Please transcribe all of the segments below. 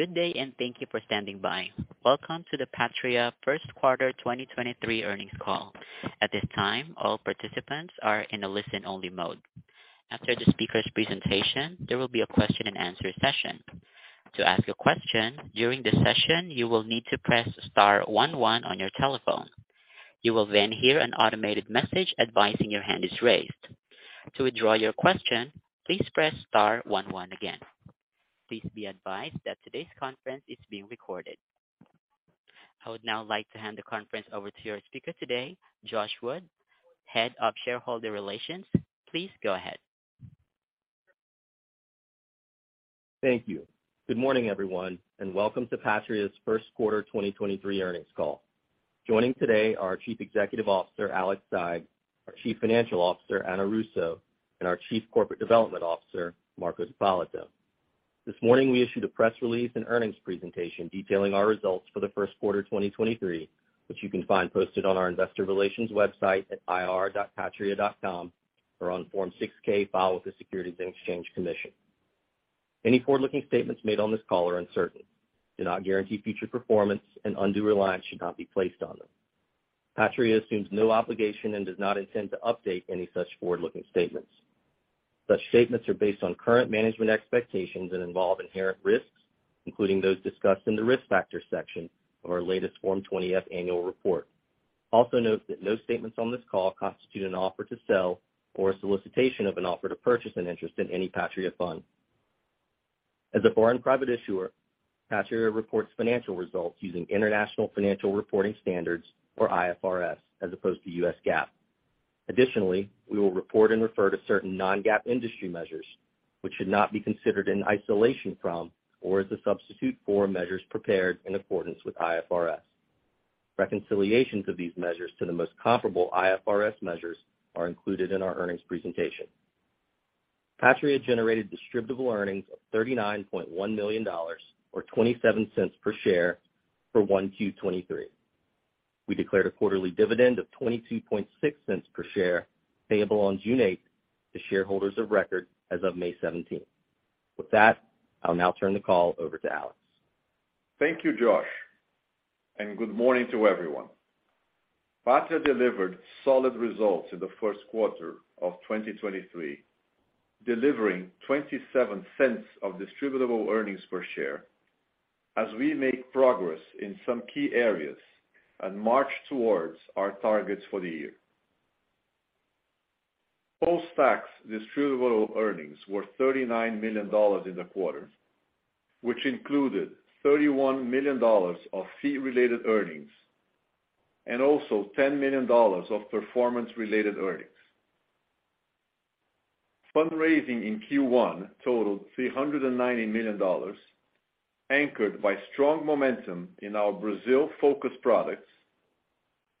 Good day, thank you for standing by. Welcome to the Patria first quarter 2023 earnings call. At this time, all participants are in a listen-only mode. After the speaker's presentation, there will be a question-and-answer session. To ask a question during the session, you will need to press star one one on your telephone. You will then hear an automated message advising your hand is raised. To withdraw your question, please press star one one again. Please be advised that today's conference is being recorded. I would now like to hand the conference over to your speaker today, Josh Wood, Head of Shareholder Relations. Please go ahead. Thank you. Good morning, everyone, welcome to Patria's first-quarter 2023 earnings call. Joining today are our Chief Executive Officer, Alex Saigh, our Chief Financial Officer, Ana Russo, and our Chief Corporate Development Officer, Marco D'Ippolito. This morning, we issued a press release and earnings presentation detailing our results for the first quarter 2023, which you can find posted on our investor relations website at ir.patria.com or on Form 6-K filed with the Securities and Exchange Commission. Any forward-looking statements made on this call are uncertain, do not guarantee future performance, and undue reliance should not be placed on them. Patria assumes no obligation and does not intend to update any such forward-looking statements. Such statements are based on current management expectations and involve inherent risks, including those discussed in the Risk Factors section of our latest Form 20-F annual report. Also note that no statements on this call constitute an offer to sell or a solicitation of an offer to purchase an interest in any Patria fund. As a foreign private issuer, Patria reports financial results using International Financial Reporting Standards, or IFRS, as opposed to U.S. GAAP. Additionally, we will report and refer to certain non-GAAP industry measures, which should not be considered in isolation from or as a substitute for measures prepared in accordance with IFRS. Reconciliations of these measures to the most comparable IFRS measures are included in our earnings presentation. Patria generated distributable earnings of $39.1 million or $0.27 per share for 1Q 2023. We declared a quarterly dividend of $0.226 per share payable on June eighth to shareholders of record as of May seventeenth. With that, I'll now turn the call over to Alex. Thank you, Josh. Good morning to everyone. Patria delivered solid results in the first quarter of 2023, delivering $0.27 of distributable earnings per share as we make progress in some key areas and march towards our targets for the year. Post-tax distributable earnings were $39 million in the quarter, which included $31 million of fee-related earnings and also $10 million of performance-related earnings. Fundraising in Q1 totaled $390 million, anchored by strong momentum in our Brazil-focused products,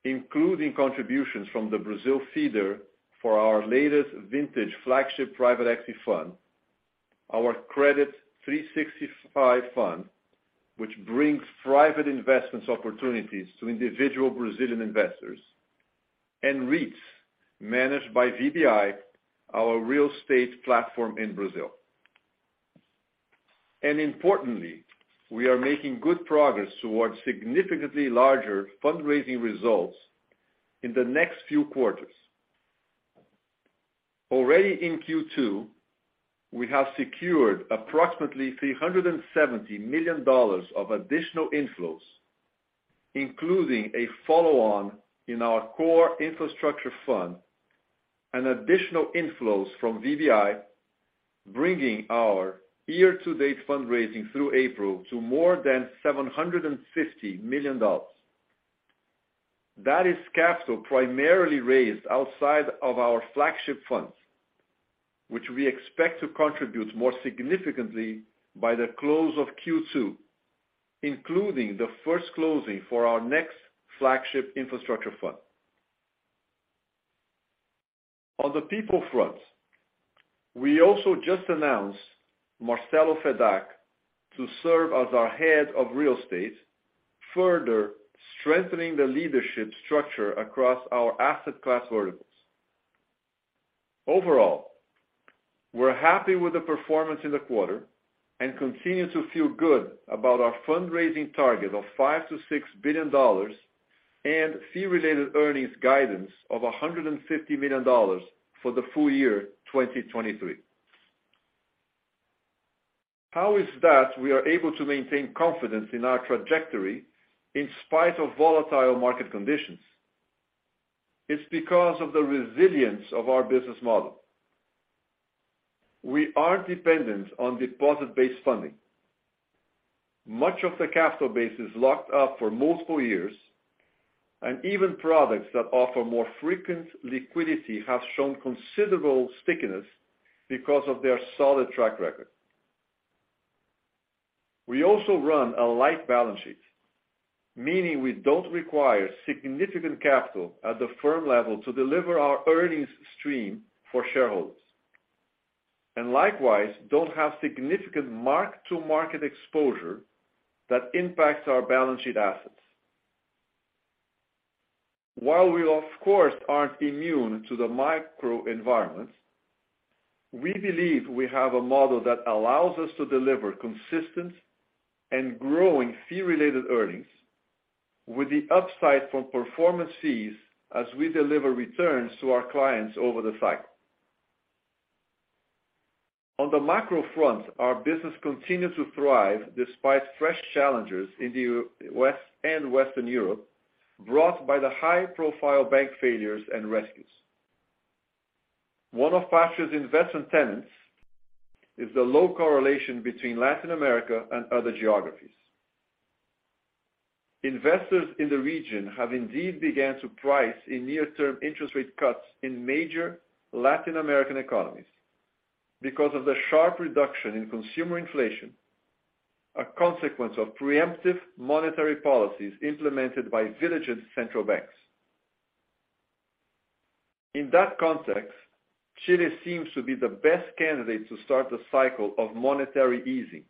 including contributions from the Brazil feeder for our latest vintage flagship private equity fund, our Credit 365 Fund, which brings private investments opportunities to individual Brazilian investors, and REITs managed by VBI, our real estate platform in Brazil. Importantly, we are making good progress towards significantly larger fundraising results in the next few quarters. Already in Q2, we have secured approximately $370 million of additional inflows, including a follow-on in our core infrastructure fund and additional inflows from VBI, bringing our year-to-date fundraising through April to more than $750 million. That is capital primarily raised outside of our flagship funds, which we expect to contribute more significantly by the close of Q2, including the first closing for our next flagship infrastructure fund. On the people front, we also just announced Marcelo Fedak to serve as our Head of Real Estate, further strengthening the leadership structure across our asset class verticals. Overall, we're happy with the performance in the quarter and continue to feel good about our fundraising target of $5 billion-$6 billion and fee-related earnings guidance of $150 million for the full year 2023. How is it that we are able to maintain confidence in our trajectory in spite of volatile market conditions? It's because of the resilience of our business model. We aren't dependent on deposit-based funding. Much of the capital base is locked up for multiple years, and even products that offer more frequent liquidity have shown considerable stickiness because of their solid track record. We also run a light balance sheet, meaning we don't require significant capital at the firm level to deliver our earnings stream for shareholders, and likewise, don't have significant mark-to-market exposure that impacts our balance sheet assets. While we of course aren't immune to the microenvironment, we believe we have a model that allows us to deliver consistent and growing fee-related earnings with the upside from performance fees as we deliver returns to our clients over the cycle. On the macro front, our business continued to thrive despite fresh challenges in Western Europe, brought by the high-profile bank failures and rescues. One of Patria's investment tenants is the low correlation between Latin America and other geographies. Investors in the region have indeed began to price in near-term interest rate cuts in major Latin American economies because of the sharp reduction in consumer inflation, a consequence of preemptive monetary policies implemented by diligent central banks. In that context, Chile seems to be the best candidate to start the cycle of monetary easing.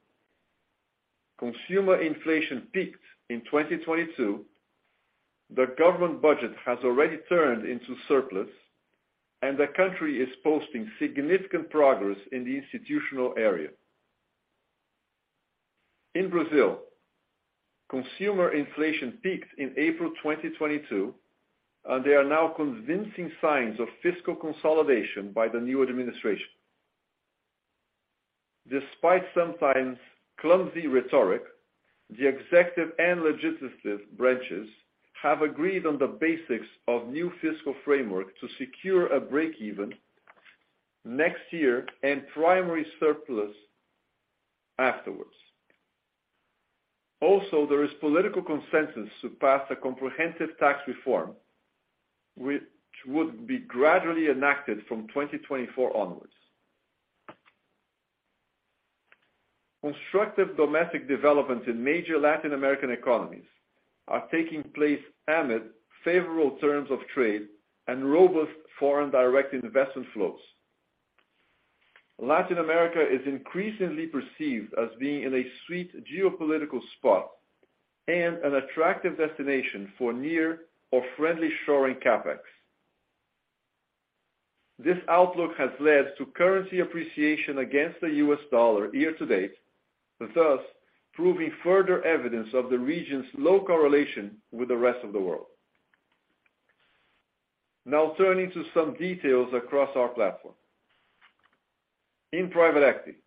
Consumer inflation peaked in 2022, the government budget has already turned into surplus, and the country is posting significant progress in the institutional area. In Brazil, consumer inflation peaked in April 2022, and there are now convincing signs of fiscal consolidation by the new administration. Despite sometimes clumsy rhetoric, the executive and legislative branches have agreed on the basics of new fiscal framework to secure a break-even next year and primary surplus afterwards. There is political consensus to pass a comprehensive tax reform, which would be gradually enacted from 2024 onwards. Constructive domestic developments in major Latin American economies are taking place amid favorable terms of trade and robust foreign direct investment flows. Latin America is increasingly perceived as being in a sweet geopolitical spot and an attractive destination for near or friendly shoring CapEx. This outlook has led to currency appreciation against the U.S. dollar year-to-date, thus proving further evidence of the region's low correlation with the rest of the world. Now turning to some details across our platform. In private equity,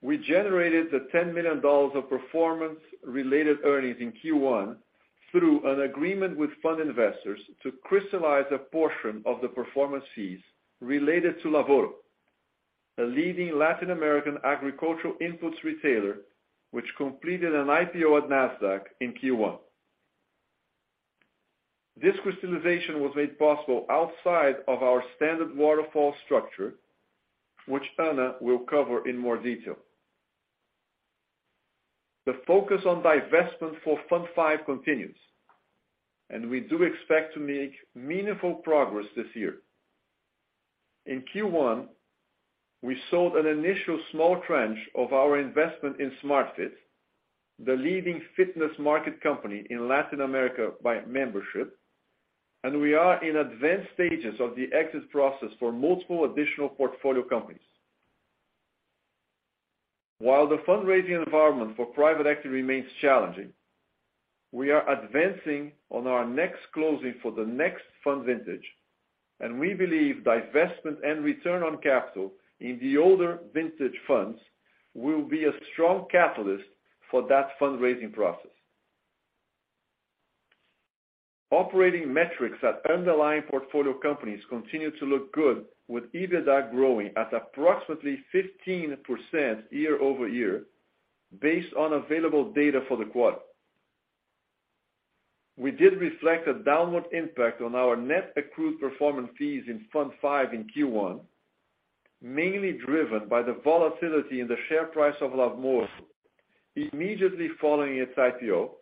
we generated $10 million of performance-related earnings in Q1 through an agreement with fund investors to crystallize a portion of the performance fees related to Lavoro, a leading Latin American agricultural inputs retailer, which completed an IPO at Nasdaq in Q1. This crystallization was made possible outside of our standard waterfall structure, which Ana will cover in more detail. The focus on divestment for Fund V continues, and we do expect to make meaningful progress this year. In Q1, we sold an initial small tranche of our investment in Smart Fit, the leading fitness market company in Latin America by membership, and we are in advanced stages of the exit process for multiple additional portfolio companies. While the fundraising environment for private equity remains challenging, we are advancing on our next closing for the next fund vintage, and we believe divestment and return on capital in the older vintage funds will be a strong catalyst for that fundraising process. Operating metrics at underlying portfolio companies continue to look good with EBITDA growing at approximately 15% year-over-year based on available data for the quarter. We did reflect a downward impact on our net accrued performance fees in Fund V in Q1, mainly driven by the volatility in the share price of Lavoro immediately following its IPO,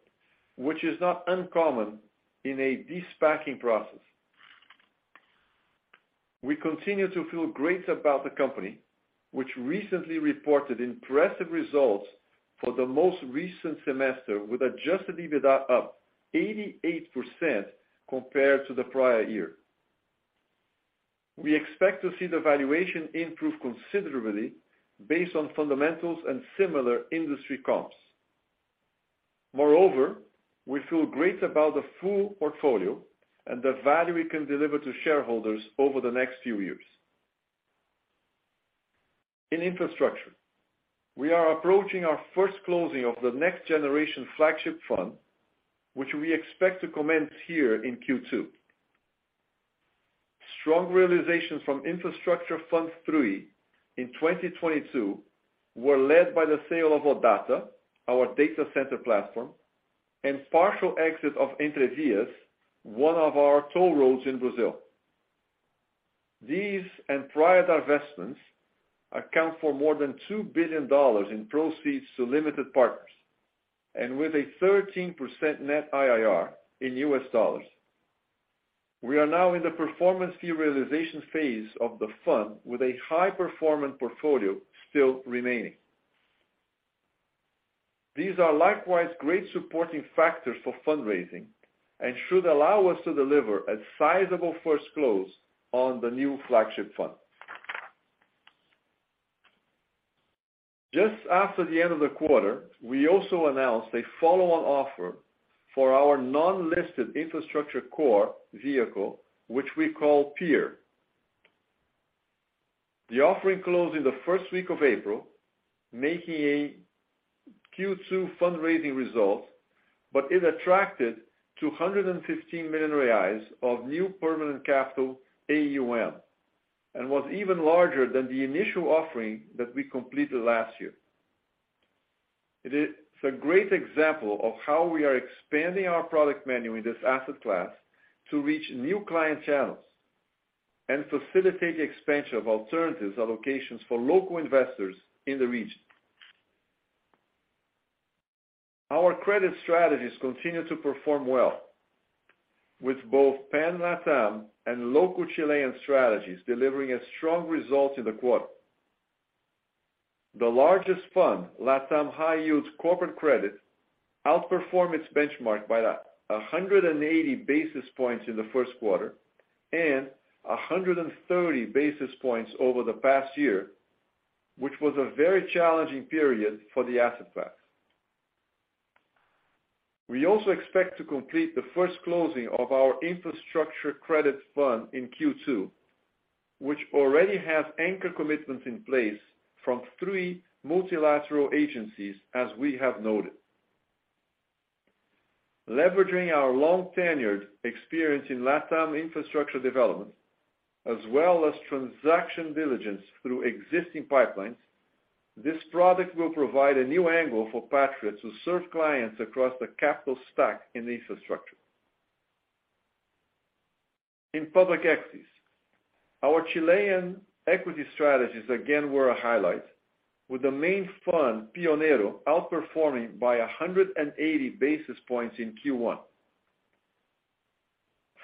which is not uncommon in a de-SPACing process. We continue to feel great about the company, which recently reported impressive results for the most recent semester with Adjusted EBITDA up 88% compared to the prior year. We expect to see the valuation improve considerably based on fundamentals and similar industry comps. We feel great about the full portfolio and the value we can deliver to shareholders over the next few years. In infrastructure, we are approaching our first closing of the next generation flagship fund, which we expect to commence here in Q2. Strong realizations from Infrastructure Fund III in 2022 were led by the sale of Odata, our data center platform, and partial exit of Entrevias, one of our toll roads in Brazil. These and prior divestments account for more than $2 billion in proceeds to limited partners and with a 13% net IRR in U.S. dollars. We are now in the performance fee realization phase of the fund with a high-performing portfolio still remaining. These are likewise great supporting factors for fundraising and should allow us to deliver a sizable first close on the new flagship fund. Just after the end of the quarter, we also announced a follow-on offer for our non-listed infrastructure core vehicle, which we call Pier. The offering closed in the first week of April, making a Q2 fundraising result. It attracted 215 million reais of new permanent capital AUM, and was even larger than the initial offering that we completed last year. It is a great example of how we are expanding our product menu in this asset class to reach new client channels and facilitate the expansion of alternatives allocations for local investors in the region. Our credit strategies continue to perform well with both Pan Latam and local Chilean strategies delivering a strong result in the quarter. The largest fund, Latam High Yield Corporate Credit, outperformed its benchmark by 180 basis points in the first quarter and 130 basis points over the past year, which was a very challenging period for the asset class. We also expect to complete the first closing of our infrastructure credit fund in Q2, which already has anchor commitments in place from three multilateral agencies, as we have noted. Leveraging our long-tenured experience in Latam infrastructure development as well as transaction diligence through existing pipelines, this product will provide a new angle for Patria to serve clients across the capital stack in infrastructure. In public equities, our Chilean equity strategies again were a highlight, with the main fund, Pioneiro, outperforming by 180 basis points in Q1.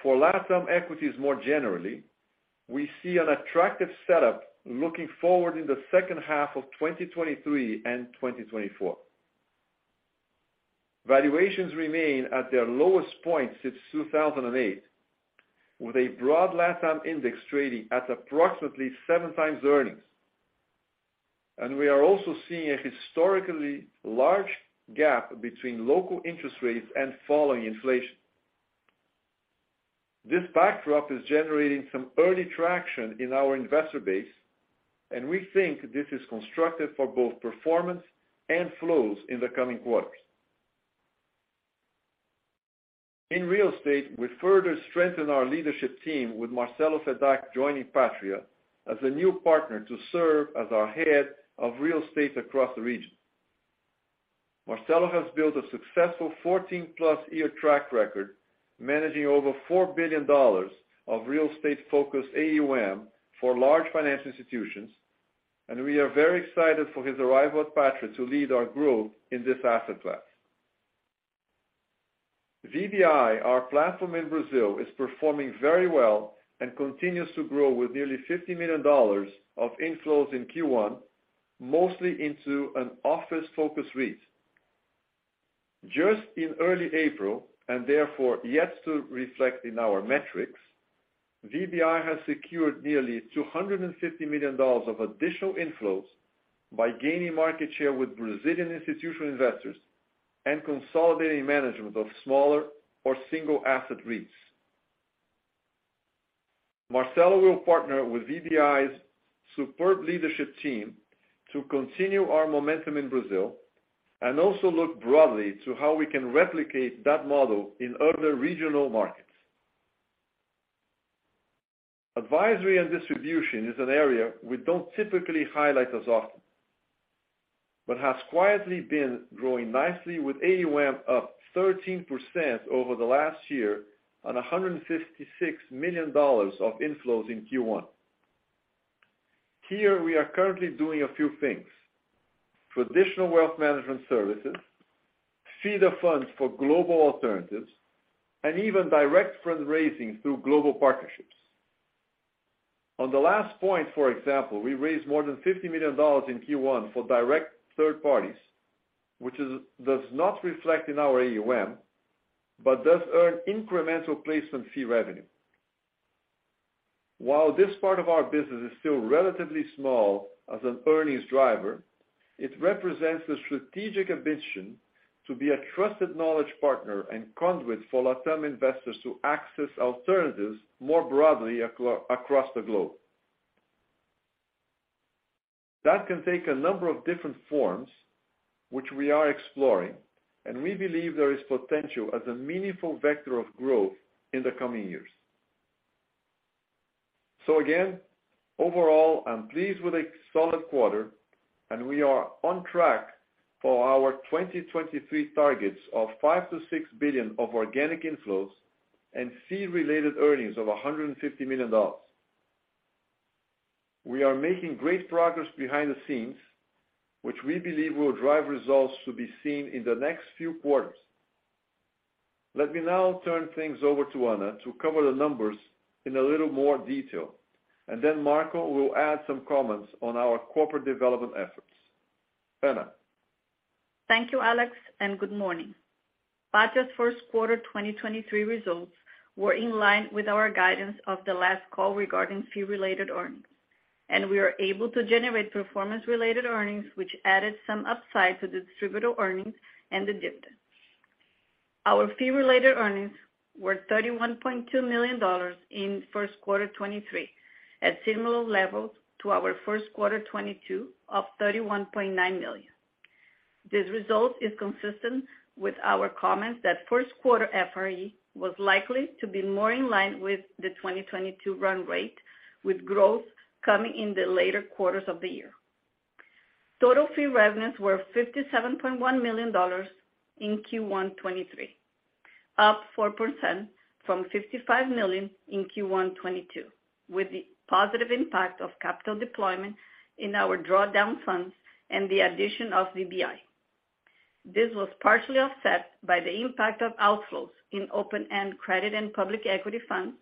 For Latam equities more generally, we see an attractive setup looking forward in the second half of 2023 and 2024. Valuations remain at their lowest point since 2008, with a broad Latam index trading at approximately 7x earnings. We are also seeing a historically large gap between local interest rates and falling inflation. This backdrop is generating some early traction in our investor base, and we think this is constructive for both performance and flows in the coming quarters. In real estate, we further strengthen our leadership team with Marcelo Fedak joining Patria as a new partner to serve as our head of real estate across the region. Marcelo has built a successful 14-plus year track record, managing over $4 billion of real estate-focused AUM for large financial institutions. We are very excited for his arrival at Patria to lead our growth in this asset class. VBI, our platform in Brazil, is performing very well and continues to grow with nearly $50 million of inflows in Q1, mostly into an office-focused REIT. Just in early April, therefore yet to reflect in our metrics, VBI has secured nearly $250 million of additional inflows by gaining market share with Brazilian institutional investors and consolidating management of smaller or single-asset REITs. Marcelo will partner with VBI's superb leadership team to continue our momentum in Brazil and also look broadly to how we can replicate that model in other regional markets. Advisory and distribution is an area we don't typically highlight as often, but has quietly been growing nicely with AUM up 13% over the last year on $156 million of inflows in Q1. Here we are currently doing a few things. Traditional wealth management services, fee the funds for global alternatives, and even direct fundraising through global partnerships. On the last point, for example, we raised more than $50 million in Q1 for direct third parties, which does not reflect in our AUM, but does earn incremental placement fee revenue. While this part of our business is still relatively small as an earnings driver, it represents the strategic ambition to be a trusted knowledge partner and conduit for LATAM investors to access alternatives more broadly across the globe. That can take a number of different forms which we are exploring. We believe there is potential as a meaningful vector of growth in the coming years. Again, overall, I'm pleased with a solid quarter and we are on track for our 2023 targets of $5 billion-$6 billion of organic inflows and fee-related earnings of $150 million. We are making great progress behind the scenes, which we believe will drive results to be seen in the next few quarters. Let me now turn things over to Ana to cover the numbers in a little more detail. Then Marco will add some comments on our corporate development efforts. Ana. Thank you, Alex. Good morning. Patria's first quarter 2023 results were in line with our guidance of the last call regarding fee-related earnings, and we are able to generate performance-related earnings, which added some upside to distributor earnings and the dividend. Our fee-related earnings were $31.2 million in first quarter 2023, at similar levels to our first quarter 2022 of $31.9 million. This result is consistent with our comments that first quarter FRE was likely to be more in line with the 2022 run rate, with growth coming in the later quarters of the year. Total fee revenues were $57.1 million in Q1 2023, up 4% from $55 million in Q1 2022, with the positive impact of capital deployment in our drawdown funds and the addition of VBI. This was partially offset by the impact of outflows in open-end credit and public equity funds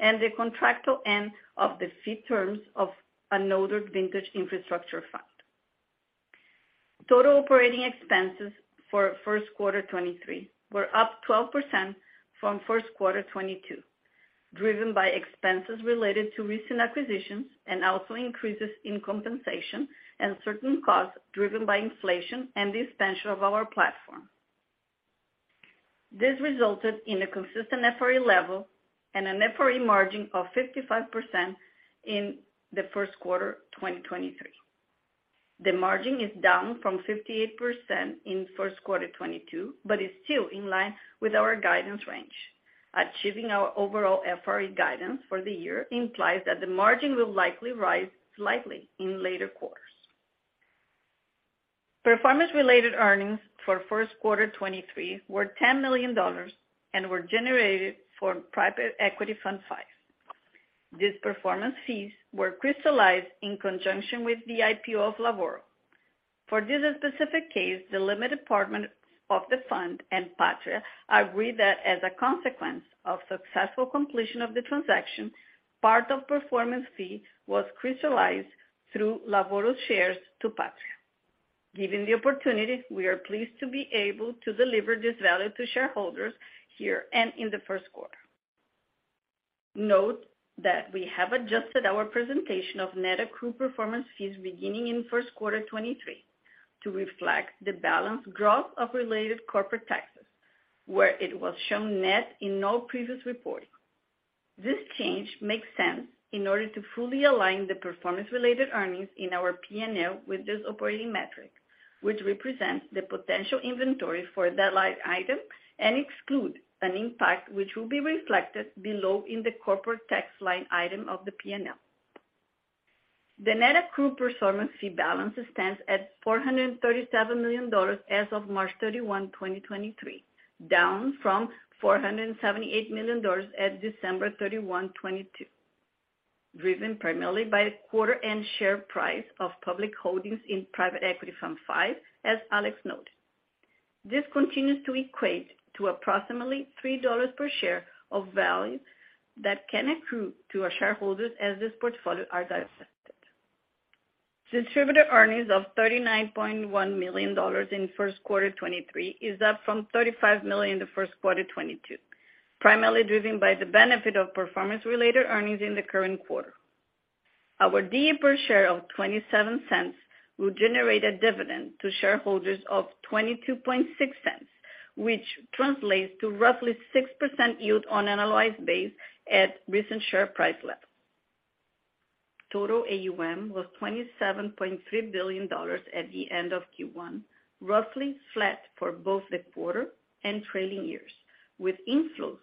and the contractual end of the fee terms of another vintage infrastructure fund. Total operating expenses for first quarter 2023 were up 12% from first quarter 2022, driven by expenses related to recent acquisitions and also increases in compensation and certain costs driven by inflation and the expansion of our platform. This resulted in a consistent FRE level and an FRE margin of 55% in the first quarter 2023. The margin is down from 58% in first quarter 2022, but is still in line with our guidance range. Achieving our overall FRE guidance for the year implies that the margin will likely rise slightly in later quarters. Performance-related earnings for first quarter 2023 were $10 million and were generated for private equity fund size. These performance fees were crystallized in conjunction with the IPO of Lavoro. For this specific case, the limited partner of the fund and Patria agreed that as a consequence of successful completion of the transaction, part of performance fee was crystallized through Lavoro's shares to Patria. Given the opportunity, we are pleased to be able to deliver this value to shareholders here and in the first quarter. Note that we have adjusted our presentation of net accrued performance fees beginning in first quarter 2023 to reflect the balance growth of related corporate taxes, where it was shown net in all previous reporting. This change makes sense in order to fully align the performance-related earnings in our P&L with this operating metric, which represents the potential inventory for that line item and exclude an impact which will be reflected below in the corporate tax line item of the P&L. The net accrued performance fee balance stands at $437 million as of March 31, 2023, down from $478 million at December 31, 2022, driven primarily by the quarter end share price of public holdings in Private Equity P5, as Alex noted. This continues to equate to approximately $3 per share of value that can accrue to our shareholders as this portfolio are divested. Distributor earnings of $39.1 million in first quarter 2023 is up from $35 million in the first quarter 2022, primarily driven by the benefit of performance-related earnings in the current quarter. Our DE per share of $0.27 will generate a dividend to shareholders of $0.226, which translates to roughly 6% yield on annualized base at recent share price level. Total AUM was $27.3 billion at the end of Q1, roughly flat for both the quarter and trailing years, with inflows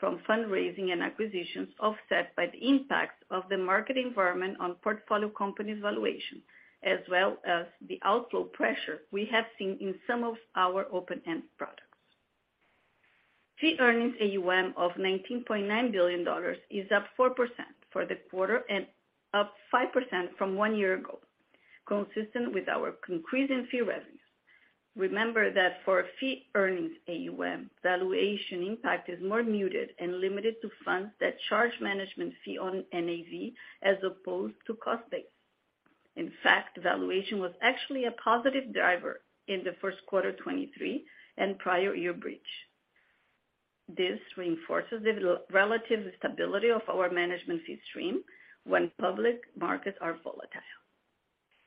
from fundraising and acquisitions offset by the impact of the market environment on portfolio company's valuation, as well as the outflow pressure we have seen in some of our open-end products. Fee Earning AUM of $19.9 billion is up 4% for the quarter and up 5% from one year ago, consistent with our increase in fee revenues. Remember that for Fee Earning AUM, valuation impact is more muted and limited to funds that charge management fee on NAV as opposed to cost base. In fact, valuation was actually a positive driver in the first quarter 2023 and prior year breach. This reinforces the relative stability of our management fee stream when public markets are volatile.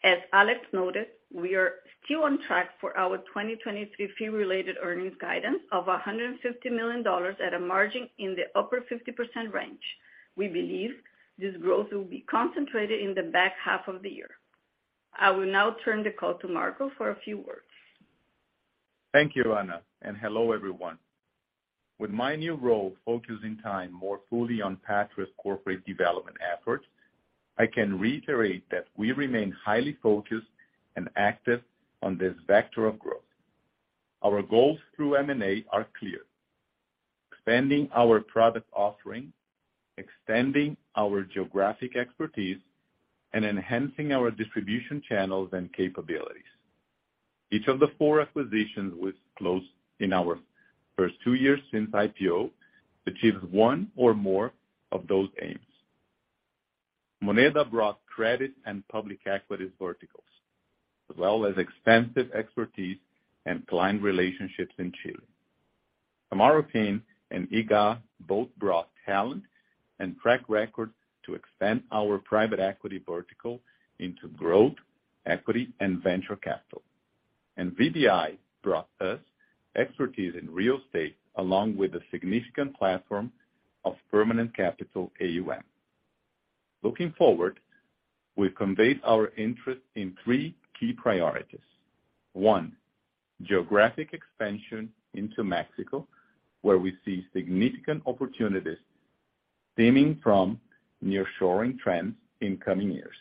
As Alex noted, we are still on track for our 2023 Fee-Related Earnings guidance of $150 million at a margin in the upper 50% range. We believe this growth will be concentrated in the back half of the year. I will now turn the call to Marco for a few words. Thank you, Ana, and hello, everyone. With my new role focusing time more fully on Patria's corporate development efforts, I can reiterate that we remain highly focused and active on this vector of growth. Our goals through M&A are clear: expanding our product offering, extending our geographic expertise, and enhancing our distribution channels and capabilities. Each of the four acquisitions was closed in our first two years since IPO, achieved one or more of those aims. Moneda brought credit and public equities verticals, as well as extensive expertise and client relationships in Chile. Kamaroopin and IGA both brought talent and track record to expand our private equity vertical into growth, equity, and venture capital. VBI brought us expertise in real estate along with a significant platform of permanent capital AUM. Looking forward, we've conveyed our interest in three key priorities. One, geographic expansion into Mexico, where we see significant opportunities stemming from nearshoring trends in coming years.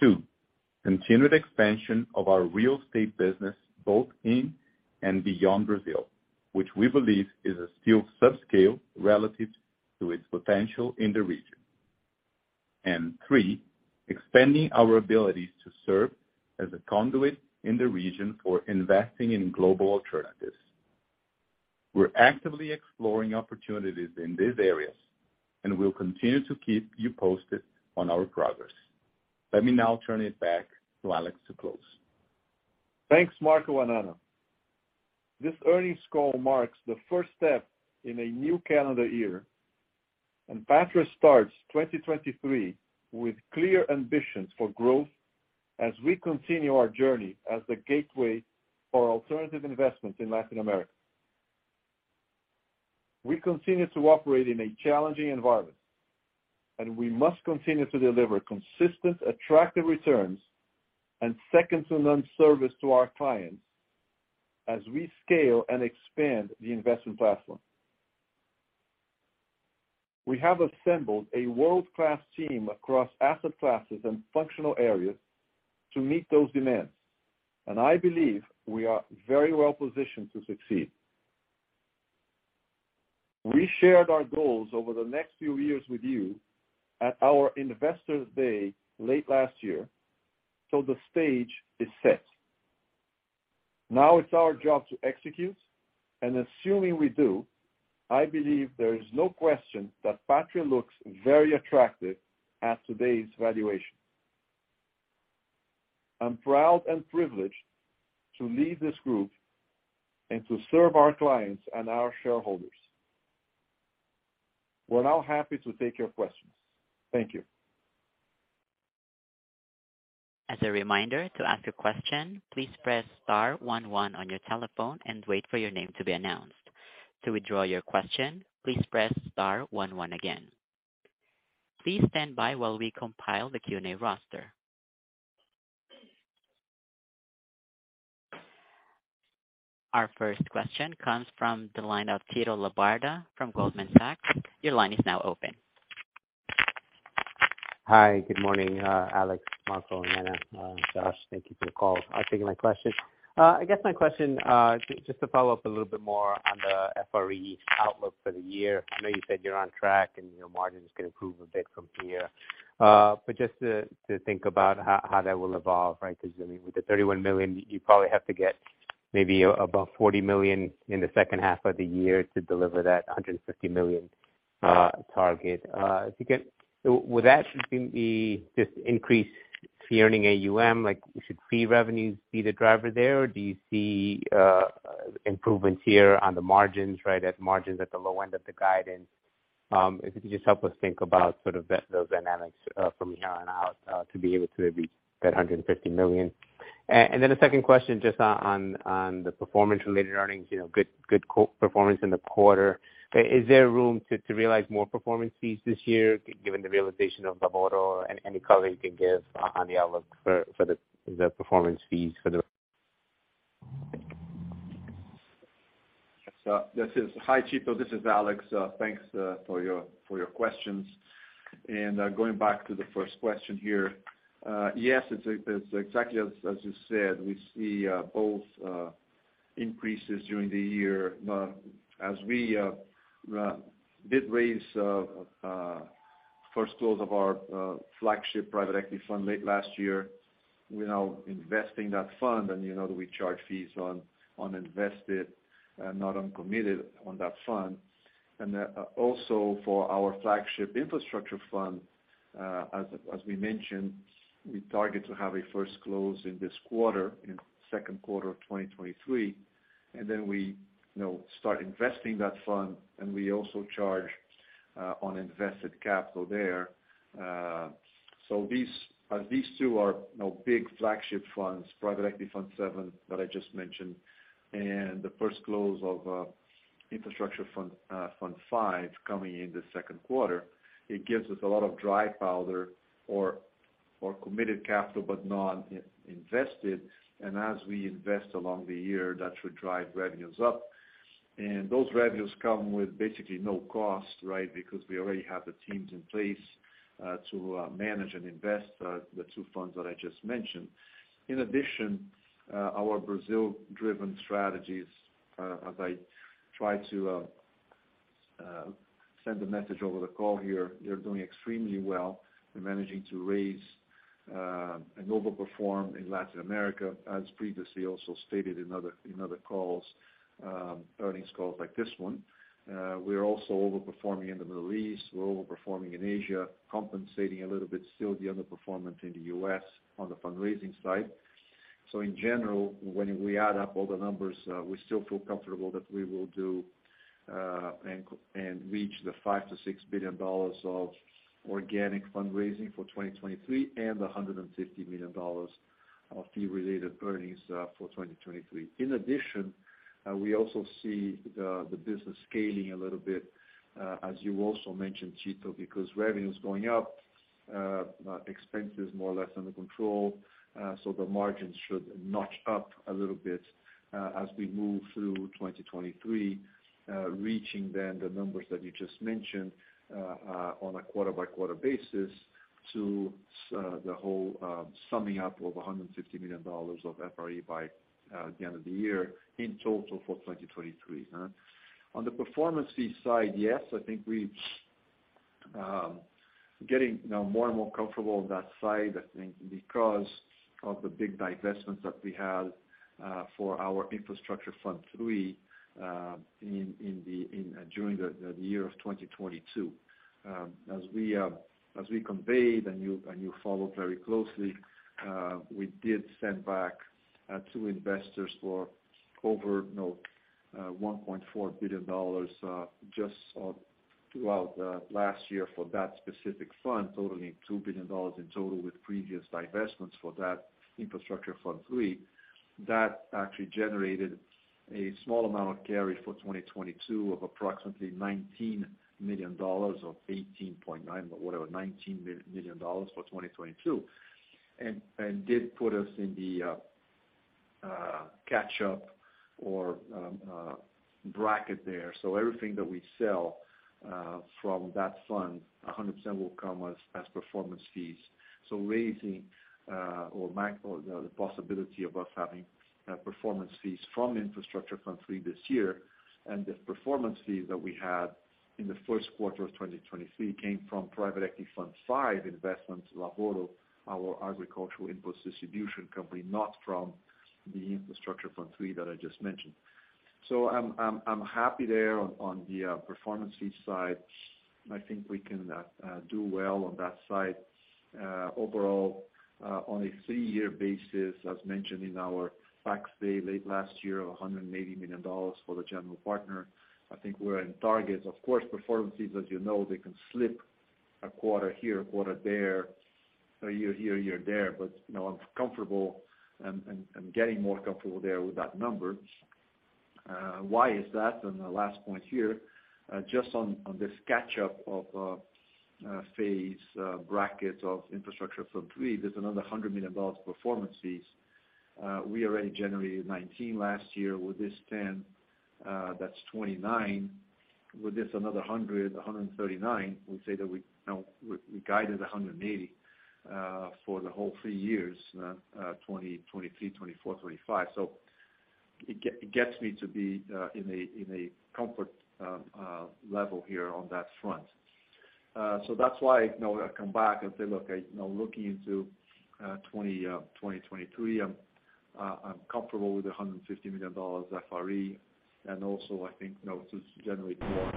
Two, continued expansion of our real estate business both in and beyond Brazil, which we believe is a still subscale relative to its potential in the region. Three, expanding our abilities to serve as a conduit in the region for investing in global alternatives. We're actively exploring opportunities in these areas, and we'll continue to keep you posted on our progress. Let me now turn it back to Alex to close. Thanks, Marco and Ana. This earnings call marks the first step in a new calendar year, and Patria starts 2023 with clear ambitions for growth as we continue our journey as the gateway for alternative investments in Latin America. We continue to operate in a challenging environment, and we must continue to deliver consistent, attractive returns and second-to-none service to our clients as we scale and expand the investment platform. We have assembled a world-class team across asset classes and functional areas to meet those demands, and I believe we are very well positioned to succeed. We shared our goals over the next few years with you at our Investors Day late last year, so the stage is set. Now it's our job to execute, and assuming we do, I believe there is no question that Patria looks very attractive at today's valuation. I'm proud and privileged to lead this group and to serve our clients and our shareholders. We're now happy to take your questions. Thank you. As a reminder, to ask a question, please press star one one on your telephone and wait for your name to be announced. To withdraw your question, please press star one one again. Please stand by while we compile the Q&A roster. Our first question comes from the line of Tito Labarta from Goldman Sachs. Your line is now open. Hi. Good morning, Alex, Marco, and Ana. Josh, thank you for the call. I'll take my question. I guess my question, just to follow up a little bit more on the FRE outlook for the year. I know you said you're on track and, you know, margins can improve a bit from here. Just to think about how that will evolve, right? 'Cause, I mean, with the $31 million, you probably have to get maybe about $40 million in the second half of the year to deliver that $150 million target. To get... Would that just be this increase Fee Earning AUM? Like, should fee revenues be the driver there? Or do you see improvements here on the margins, right at margins at the low end of the guidance? If you could just help us think about sort of the, those dynamics from here on out to be able to reach that $150 million. A second question just on the performance related earnings, you know, good co-performance in the quarter. Is there room to realize more performance fees this year given the realization of the model? Any color you can give on the outlook for the performance fees? This is. Hi, Tito. This is Alex. Thanks for your questions. Going back to the first question here. Yes, it's exactly as you said, we see both increases during the year, as we did raise first close of our flagship Private Equity Fund late last year. We're now investing that fund and, you know, we charge fees on invested and not on committed on that fund. Also for our flagship Infrastructure Fund, as we mentioned, we target to have a first close in this quarter, in second quarter of 2023. We, you know, start investing that fund, and we also charge on invested capital there. These two are, you know, big flagship funds, Private Equity Fund VII that I just mentioned, and the first close of Infrastructure Fund V coming in the second quarter. It gives us a lot of dry powder for committed capital, but not in-invested. As we invest along the year, that should drive revenues up. Those revenues come with basically no cost, right? because we already have the teams in place to manage and invest the two funds that I just mentioned. In addition, our Brazil-driven strategies, as I try to send a message over the call here. They're doing extremely well. They're managing to raise and overperform in Latin America, as previously also stated in other calls, earnings calls like this one. We are also overperforming in the Middle East. We're overperforming in Asia, compensating a little bit still the underperformance in the U.S. on the fundraising side. In general, when we add up all the numbers, we still feel comfortable that we will do and reach the $5 billion-$6 billion of organic fundraising for 2023 and the $150 million of fee-related earnings for 2023. In addition, we also see the business scaling a little bit, as you also mentioned, Tito, because revenue is going up, expenses more or less under control, so the margins should notch up a little bit as we move through 2023, reaching then the numbers that you just mentioned on a quarter-by-quarter basis to the whole summing up of $150 million of FRE by the end of the year in total for 2023. On the performance fee side, yes, I think we getting now more and more comfortable on that side, I think because of the big divestments that we had for our Infrastructure Fund III during the year of 2022. As we conveyed, and you followed very closely, we did send back two investors for over, you know, $1.4 billion just throughout last year for that specific fund, totaling $2 billion in total with previous divestments for that Infrastructure Fund III. That actually generated a small amount of carry for 2022 of approximately $19 million or $18.9 million, but whatever, $19 million for 2022, and did put us in the catch up or bracket there. Everything that we sell from that fund, 100% will come as performance fees. Raising the possibility of us having performance fees from Infrastructure Fund III this year and the performance fees that we had in the first quarter of 2023 came from Private Equity Fund V investments, Lavoro, our agricultural input distribution company, not from the Infrastructure Fund III that I just mentioned. I'm happy there on the performance fee side. I think we can do well on that side. Overall, on a three-year basis, as mentioned in our Facts Day late last year of $180 million for the general partner, I think we're in targets. Of course, performance fees, as you know, they can slip a quarter here, a quarter there, a year here, a year there, but, you know, I'm comfortable and getting more comfortable there with that number. Why is that? The last point here, just on this catch up of phase bracket of Infrastructure Fund III, there's another $100 million performance fees. We already generated 19 last year. With this 10, that's 29. With this another 100, 139, we say that we, you know, we guided 180 for the whole three years, 2023, 2024, 2025. It gets me to be in a comfort level here on that front. That's why, you know, I come back and say, look, I, you know, looking into 2023, I'm comfortable with the $150 million FRE. Also, I think, you know, to generate more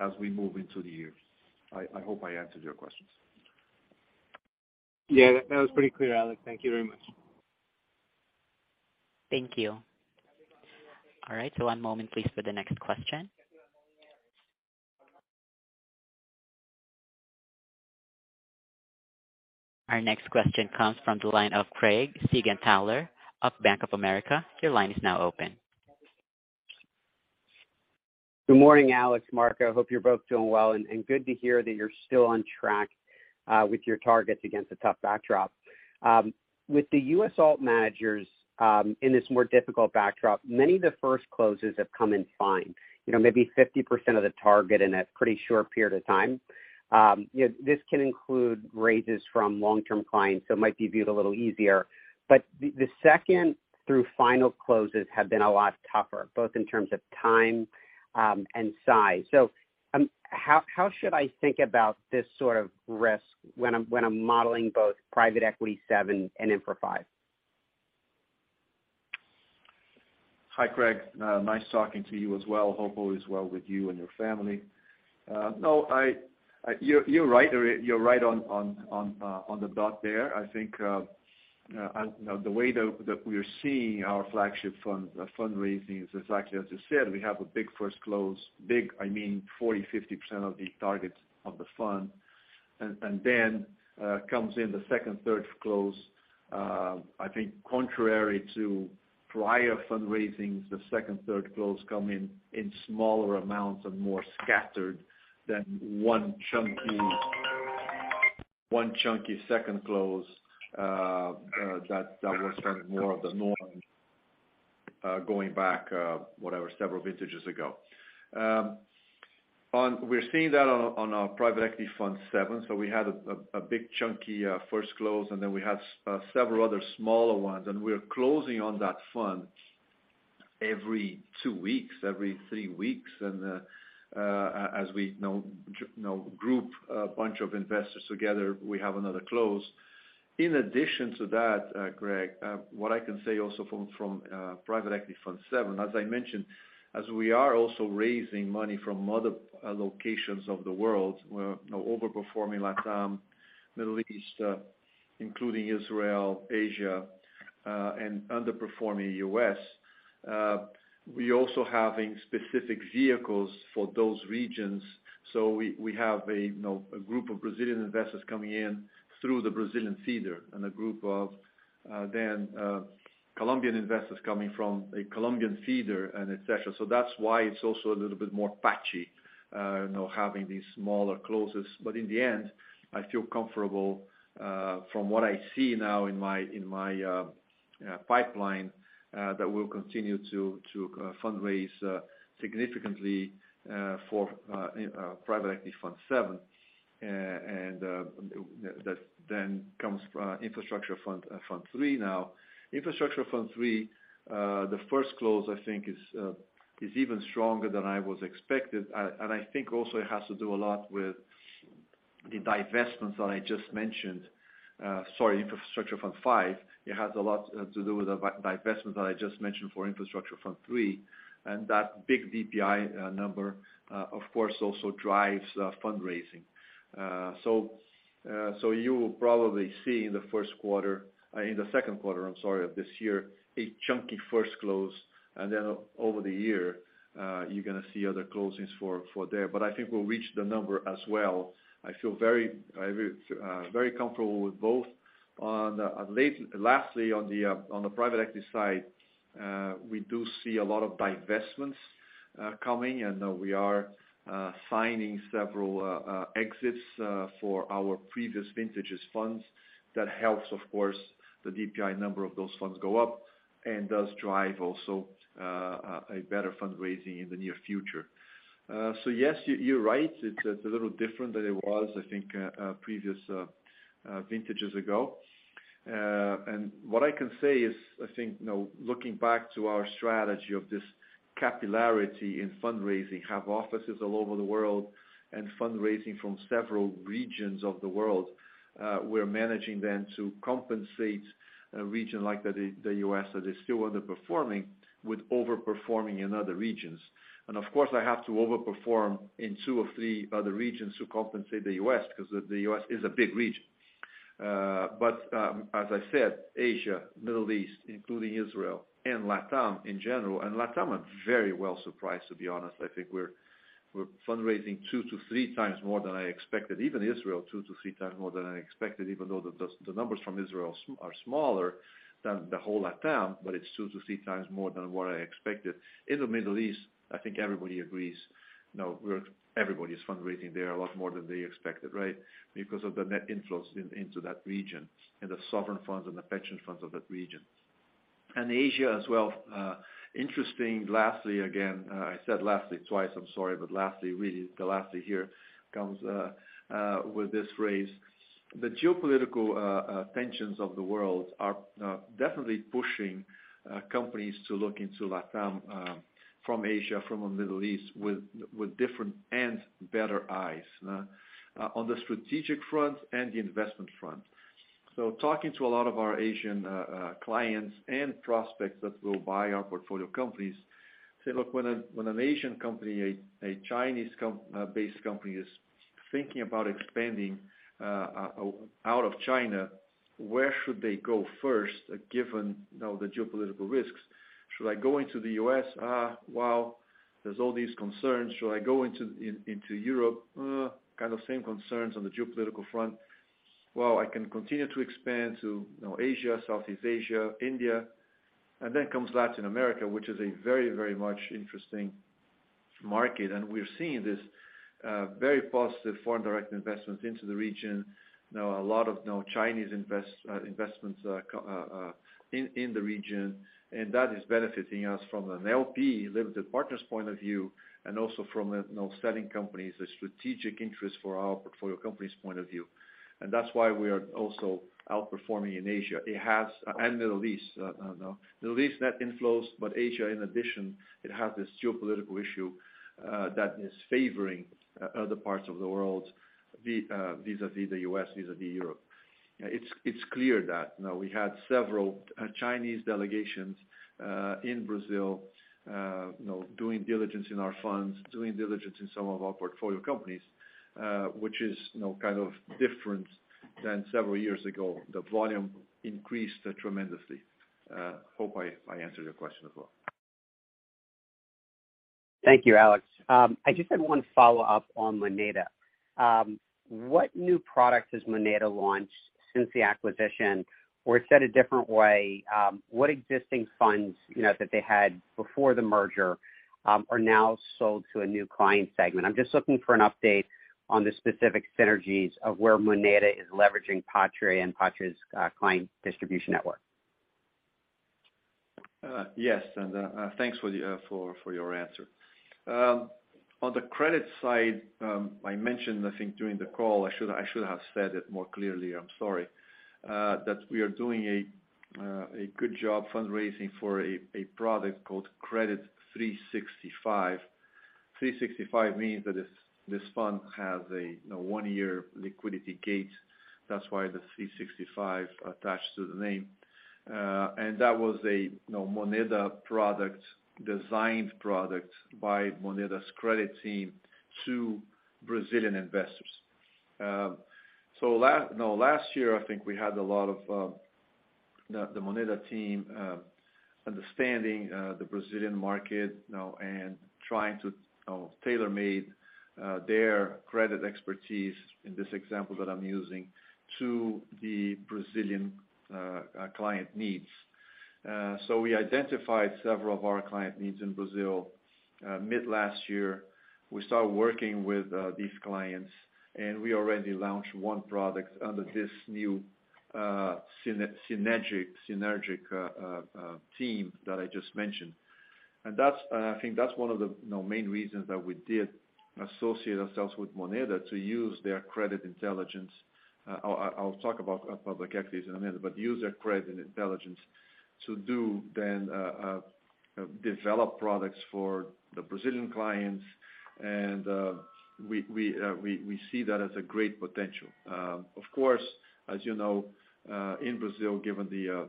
as we move into the year. I hope I answered your questions. Yeah, that was pretty clear, Alex. Thank you very much. Thank you. All right, 1 moment please for the next question. Our next question comes from the line of Craig Siegenthaler of Bank of America. Your line is now open. Good morning, Alex, Marco. Hope you're both doing well, good to hear that you're still on track with your targets against a tough backdrop. With the U.S. alt managers, in this more difficult backdrop, many of the first closes have come in fine, you know, maybe 50% of the target in a pretty short period of time. You know, this can include raises from long-term clients, so it might be viewed a little easier. The second through final closes have been a lot tougher, both in terms of time, and size. How should I think about this sort of risk when I'm modeling both Private Equity 7 and Infra 5? Hi, Craig. Nice talking to you as well. Hope all is well with you and your family. No, you're right on the dot there. I think, you know, the way that we are seeing our flagship fund fundraising is exactly as you said, we have a big first close. Big, I mean, 40%, 50% of the targets of the fund. Comes in the second, third close. I think contrary to prior fundraisings, the second, third close come in in smaller amounts and more scattered than one chunky second close that was kind of more of the norm going back whatever, several vintages ago. We're seeing that on our Private Equity Fund VII. We had a big chunky first close, and then we had several other smaller ones, and we're closing on that fund every two weeks, every three weeks. As we know, you know, group a bunch of investors together, we have another close. In addition to that, Craig, what I can say also from Private Equity Fund VII, as I mentioned, as we are also raising money from other locations of the world, we're, you know, overperforming LATAM, Middle East, including Israel, Asia, and underperforming U.S. We also having specific vehicles for those regions. We have a, you know, a group of Brazilian investors coming in through the Brazilian feeder, and a group of then Colombian investors coming from a Colombian feeder and et cetera. That's why it's also a little bit more patchy, you know, having these smaller closes. In the end, I feel comfortable, from what I see now in my pipeline, that we'll continue to fundraise significantly for Private Equity Fund VII. That then comes Infrastructure Fund III now. Infrastructure Fund III, the first close, I think, is even stronger than I was expected. I think also it has to do a lot with the divestments that I just mentioned. Sorry, Infrastructure Fund V, it has a lot to do with the divestments that I just mentioned for Infrastructure Fund III. That big DPI number, of course, also drives fundraising. You will probably see in the first quarter, in the second quarter, I'm sorry, of this year, a chunky first close, and then over the year, you're gonna see other closings for there. I think we'll reach the number as well. I feel very comfortable with both. On lastly, on the private equity side, we do see a lot of divestments coming, and we are signing several exits for our previous vintages funds. That helps, of course, the DPI number of those funds go up and does drive also a better fundraising in the near future. Yes, you're right. It's a little different than it was, I think, previous vintages ago. What I can say is, I think, you know, looking back to our strategy of this capillarity in fundraising, have offices all over the world and fundraising from several regions of the world, we're managing then to compensate a region like the U.S. that is still underperforming with overperforming in other regions. Of course, I have to overperform in two or three other regions to compensate the U.S. because the U.S. is a big region. As I said, Asia, Middle East, including Israel and LATAM in general, LATAM, I'm very well surprised, to be honest. I think we're fundraising two to 3x more than I expected, even Israel, 2x to 3x more than I expected, even though the numbers from Israel are smaller than the whole LATAM, it's 2x to 3x more than what I expected. In the Middle East, I think everybody agrees, you know, everybody is fundraising there a lot more than they expected, right? Because of the net inflows into that region and the sovereign funds and the pension funds of that region. Asia as well, interesting, lastly, again, I said lastly twice, I'm sorry, but lastly, really the lastly here comes with this phrase. The geopolitical tensions of the world are definitely pushing companies to look into LATAM from Asia, from the Middle East, with different and better eyes on the strategic front and the investment front. Talking to a lot of our Asian clients and prospects that will buy our portfolio companies say, "Look, when an Asian company, a Chinese based company is thinking about expanding out of China, where should they go first, given, you know, the geopolitical risks? Should I go into the U.S.? Well, there's all these concerns. Should I go into Europe? Kind of same concerns on the geopolitical front. Well, I can continue to expand to, you know, Asia, Southeast Asia, India, then comes Latin America, which is a very, very much interesting market. We're seeing this very positive foreign direct investments into the region. You know, a lot of, you know, Chinese investments in the region, and that is benefiting us from an LP, limited partners point of view, and also from a, you know, selling companies, a strategic interest for our portfolio company's point of view. That's why we are also outperforming in Asia. Middle East net inflows. Asia in addition, it has this geopolitical issue that is favoring other parts of the world vis-a-vis the U.S., vis-a-vis Europe. It's clear that, you know, we had several Chinese delegations in Brazil, you know, doing diligence in our funds, doing diligence in some of our portfolio companies, which is, you know, kind of different than several years ago. The volume increased tremendously. Hope I answered your question as well. Thank you, Alex. I just had one follow-up on Moneda. What new products has Moneda launched since the acquisition? Said a different way, what existing funds, you know, that they had before the merger, are now sold to a new client segment? I'm just looking for an update on the specific synergies of where Moneda is leveraging Patria and Patria's client distribution network. Yes, thanks for your answer. On the credit side, I mentioned, I think during the call, I should have said it more clearly, I'm sorry, that we are doing a good job fundraising for a product called Credit 365. 365 means that this fund has, you know, a one-year liquidity gate. That's why the 365 attached to the name. That was, you know, a Moneda product, designed product by Moneda's credit team to Brazilian investors. Last year, I think we had a lot of the Moneda team understanding the Brazilian market, you know, trying to tailor-made their credit expertise in this example that I'm using to the Brazilian client needs. We identified several of our client needs in Brazil, mid last year. We started working with these clients, and we already launched one product under this new synergetic team that I just mentioned. That's, I think that's one of the, you know, main reasons that we did associate ourselves with Moneda to use their credit intelligence. I'll talk about public equities in a minute, but use their credit intelligence to develop products for the Brazilian clients and we see that as a great potential. Of course, as you know, in Brazil, given the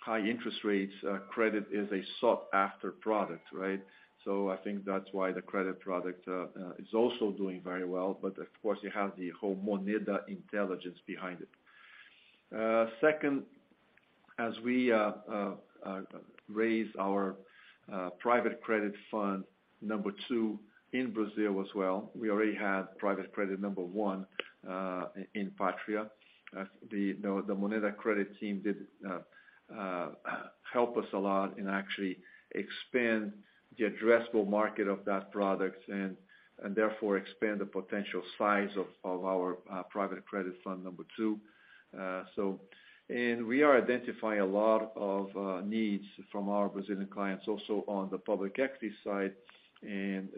high interest rates, credit is a sought after product, right? I think that's why the credit product is also doing very well, but of course you have the whole Moneda intelligence behind it. Second, as we raise our private credit fund number two in Brazil as well, we already had private credit fund number one in Patria. The, you know, the Moneda credit team did help us a lot in actually expand the addressable market of that product and, therefore expand the potential size of our private credit fund number two. We are identifying a lot of needs from our Brazilian clients also on the public equity side and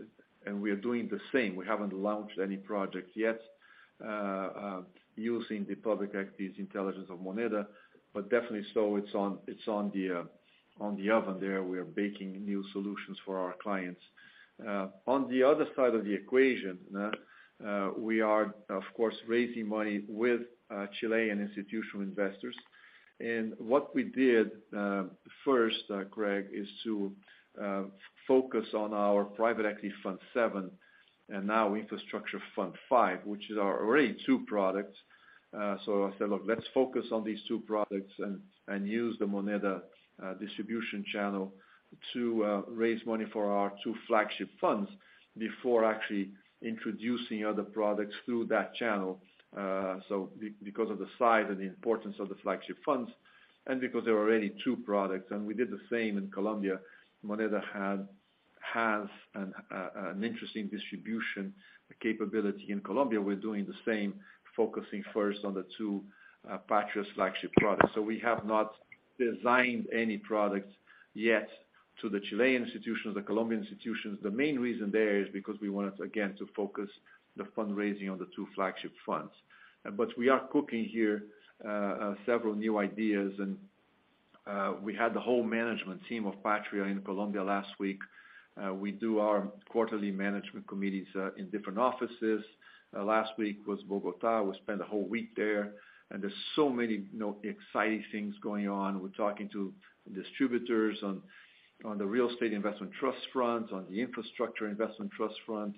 we are doing the same. We haven't launched any project yet, using the public equities intelligence of Moneda, but definitely so it's on, it's on the oven there. We are baking new solutions for our clients. On the other side of the equation, we are of course, raising money with Chilean institutional investors. What we did, first, Craig, is to focus on our Private Equity Fund VII and now Infrastructure Fund V, which is our already two products. I said, "Look, let's focus on these two products and use the Moneda distribution channel to raise money for our two flagship funds before actually introducing other products through that channel." Because of the size and the importance of the flagship funds, and because there are already two products, and we did the same in Colombia. Moneda has an interesting distribution capability in Colombia. We're doing the same, focusing first on the two Patria's flagship products. We have not designed any products yet to the Chilean institutions, the Colombian institutions. The main reason there is because we wanted, again, to focus the fundraising on the two flagship funds. We are cooking here several new ideas and we had the whole management team of Patria in Colombia last week. We do our quarterly management committees in different offices. Last week was Bogota. We spent a whole week there's so many, you know, exciting things going on. We're talking to distributors on the real estate investment trust front, on the infrastructure investment trust front.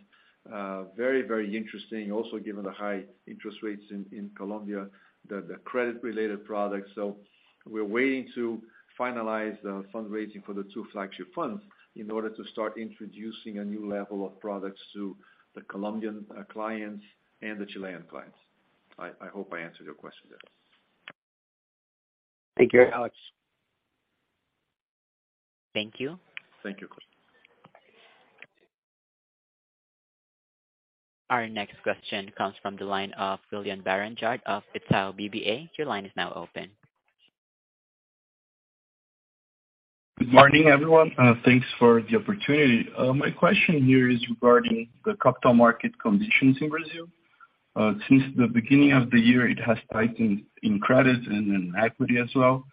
Very interesting. Given the high interest rates in Colombia, the credit related products. We're waiting to finalize the fundraising for the two flagship funds in order to start introducing a new level of products to the Colombian clients and the Chilean clients. I hope I answered your question there. Thank you, Alex. Thank you. Thank you. Our next question comes from the line of William Barranjard of Itaú BBA. Your line is now open. Good morning, everyone. Thanks for the opportunity. My question here is regarding the capital market conditions in Brazil. Since the beginning of the year, it has tightened in credit and in equity as well.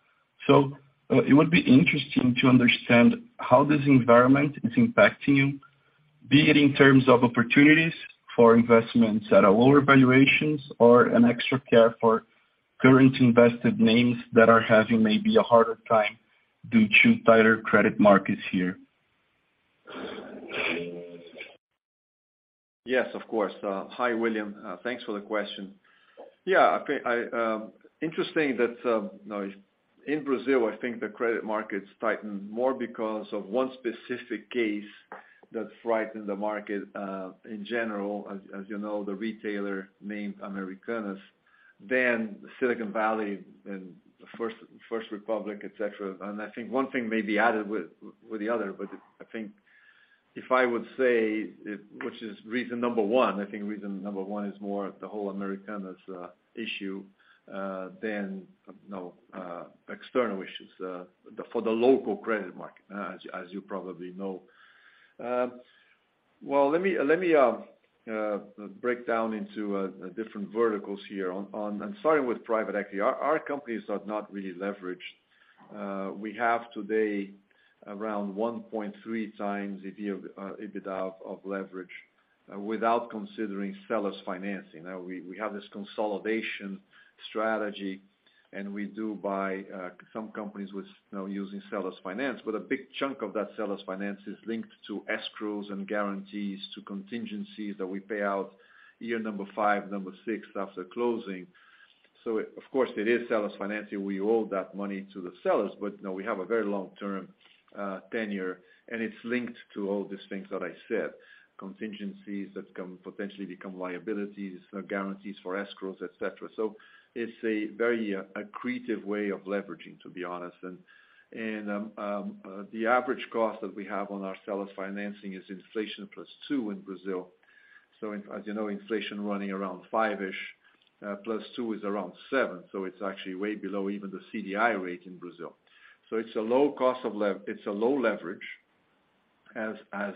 It would be interesting to understand how this environment is impacting you, be it in terms of opportunities for investments at a lower valuations or an extra care for current invested names that are having maybe a harder time due to tighter credit markets here. Yes, of course. Hi, William. Thanks for the question. Interesting that, you know, in Brazil, I think the credit markets tightened more because of one specific case that frightened the market, in general, as you know, the retailer named Americanas, than Silicon Valley and First Republic, etc. I think one thing may be added with the other, but if I would say, which is reason number one, I think reason number one is more the whole Americanas issue than, you know, external issues for the local credit market, as you probably know. Well, let me break down into different verticals here on. Starting with private equity. Our companies are not really leveraged. We have today around 1.3x EBITDA of leverage without considering seller's financing. We have this consolidation strategy, and we do buy some companies with, you know, using seller's finance, but a big chunk of that seller's finance is linked to escrows and guarantees to contingencies that we pay out year number five, number six after closing. Of course it is seller's financing. We owe that money to the sellers. You know, we have a very long-term tenure, and it's linked to all these things that I said, contingencies that can potentially become liabilities or guarantees for escrows, et cetera. It's a very accretive way of leveraging, to be honest. The average cost that we have on our seller's financing is inflation +2 in Brazil. As you know, inflation running around 5-ish+2 is around 7. It's actually way below even the CDI rate in Brazil. It's a low cost of leverage. It's a low leverage as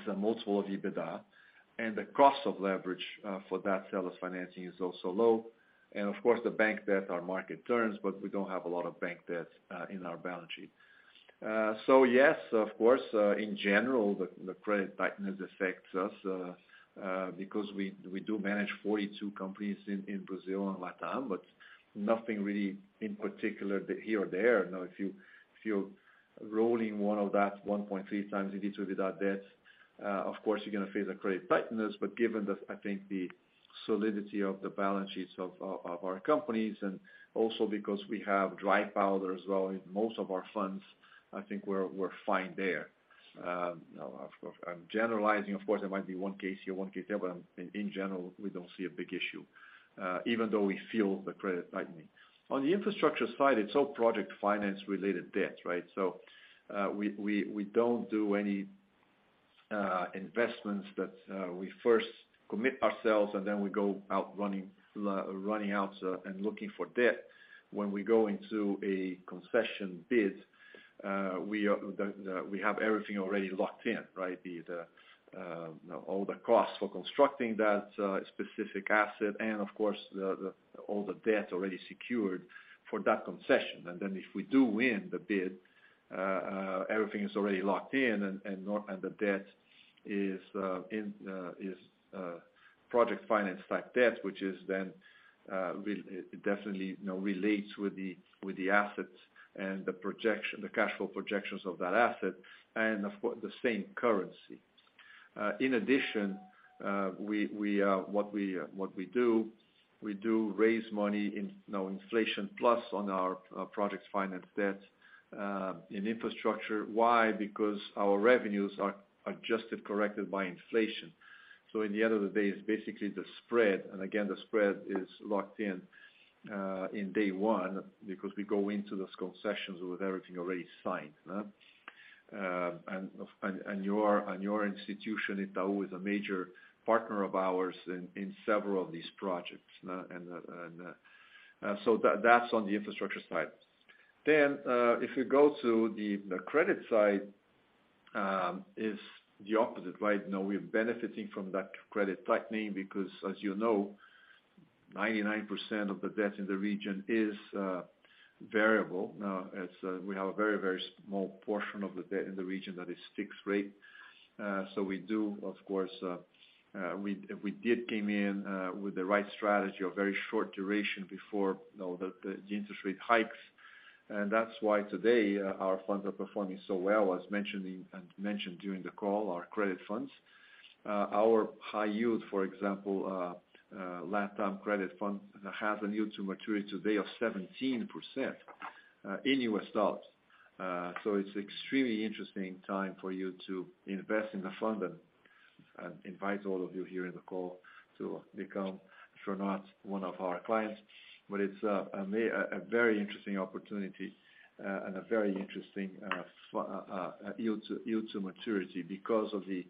a multiple of EBITDA. The cost of leverage for that seller's financing is also low. Of course, the bank debt are market terms, but we don't have a lot of bank debt in our balance sheet. Yes, of course, in general, the credit tightness affects us because we do manage 42 companies in Brazil and LATAM, but nothing really in particular here or there. You know, if you're rolling one of that 1.3x EBITDA debt, of course, you're gonna face a credit tightness. Given the, I think the solidity of the balance sheets of our companies and also because we have dry powder as well in most of our funds, I think we're fine there. Of course I'm generalizing, of course, there might be one case here, one case there, but in general, we don't see a big issue, even though we feel the credit tightening. On the infrastructure side, it's all project finance related debt, right? We don't do any investments that we first commit ourselves and then we go out running out and looking for debt. When we go into a concession bid, we have everything already locked in, right? The all the costs for constructing that specific asset and of course, the all the debt already secured for that concession. If we do win the bid, everything is already locked in and the debt is project finance type debt, which is then definitely, you know, relates with the assets and the projection, the cash flow projections of that asset, and of course, the same currency. In addition, we, what we do, raise money in, you know, inflation plus on our projects finance debt in infrastructure. Why? Because our revenues are adjusted, corrected by inflation. In the end of the day, it's basically the spread. Again, the spread is locked in in day one because we go into those concessions with everything already signed. And your institution, Itaú, is a major partner of ours in several of these projects. That's on the infrastructure side. If you go to the credit side, is the opposite, right? Now we're benefiting from that credit tightening because as you know, 99% of the debt in the region is variable. Now, as we have a very small portion of the debt in the region that is fixed rate. We do of course, we did came in with the right strategy of very short duration before, you know, the interest rate hikes. That's why today, our funds are performing so well. As mentioned during the call, our credit funds. Our high yield, for example, LATAM credit fund has a yield to maturity today of 17% in U.S. dollars. It's extremely interesting time for you to invest in the fund and invite all of you here in the call to become, if you're not, one of our clients. It's a very interesting opportunity and a very interesting yield to maturity because of the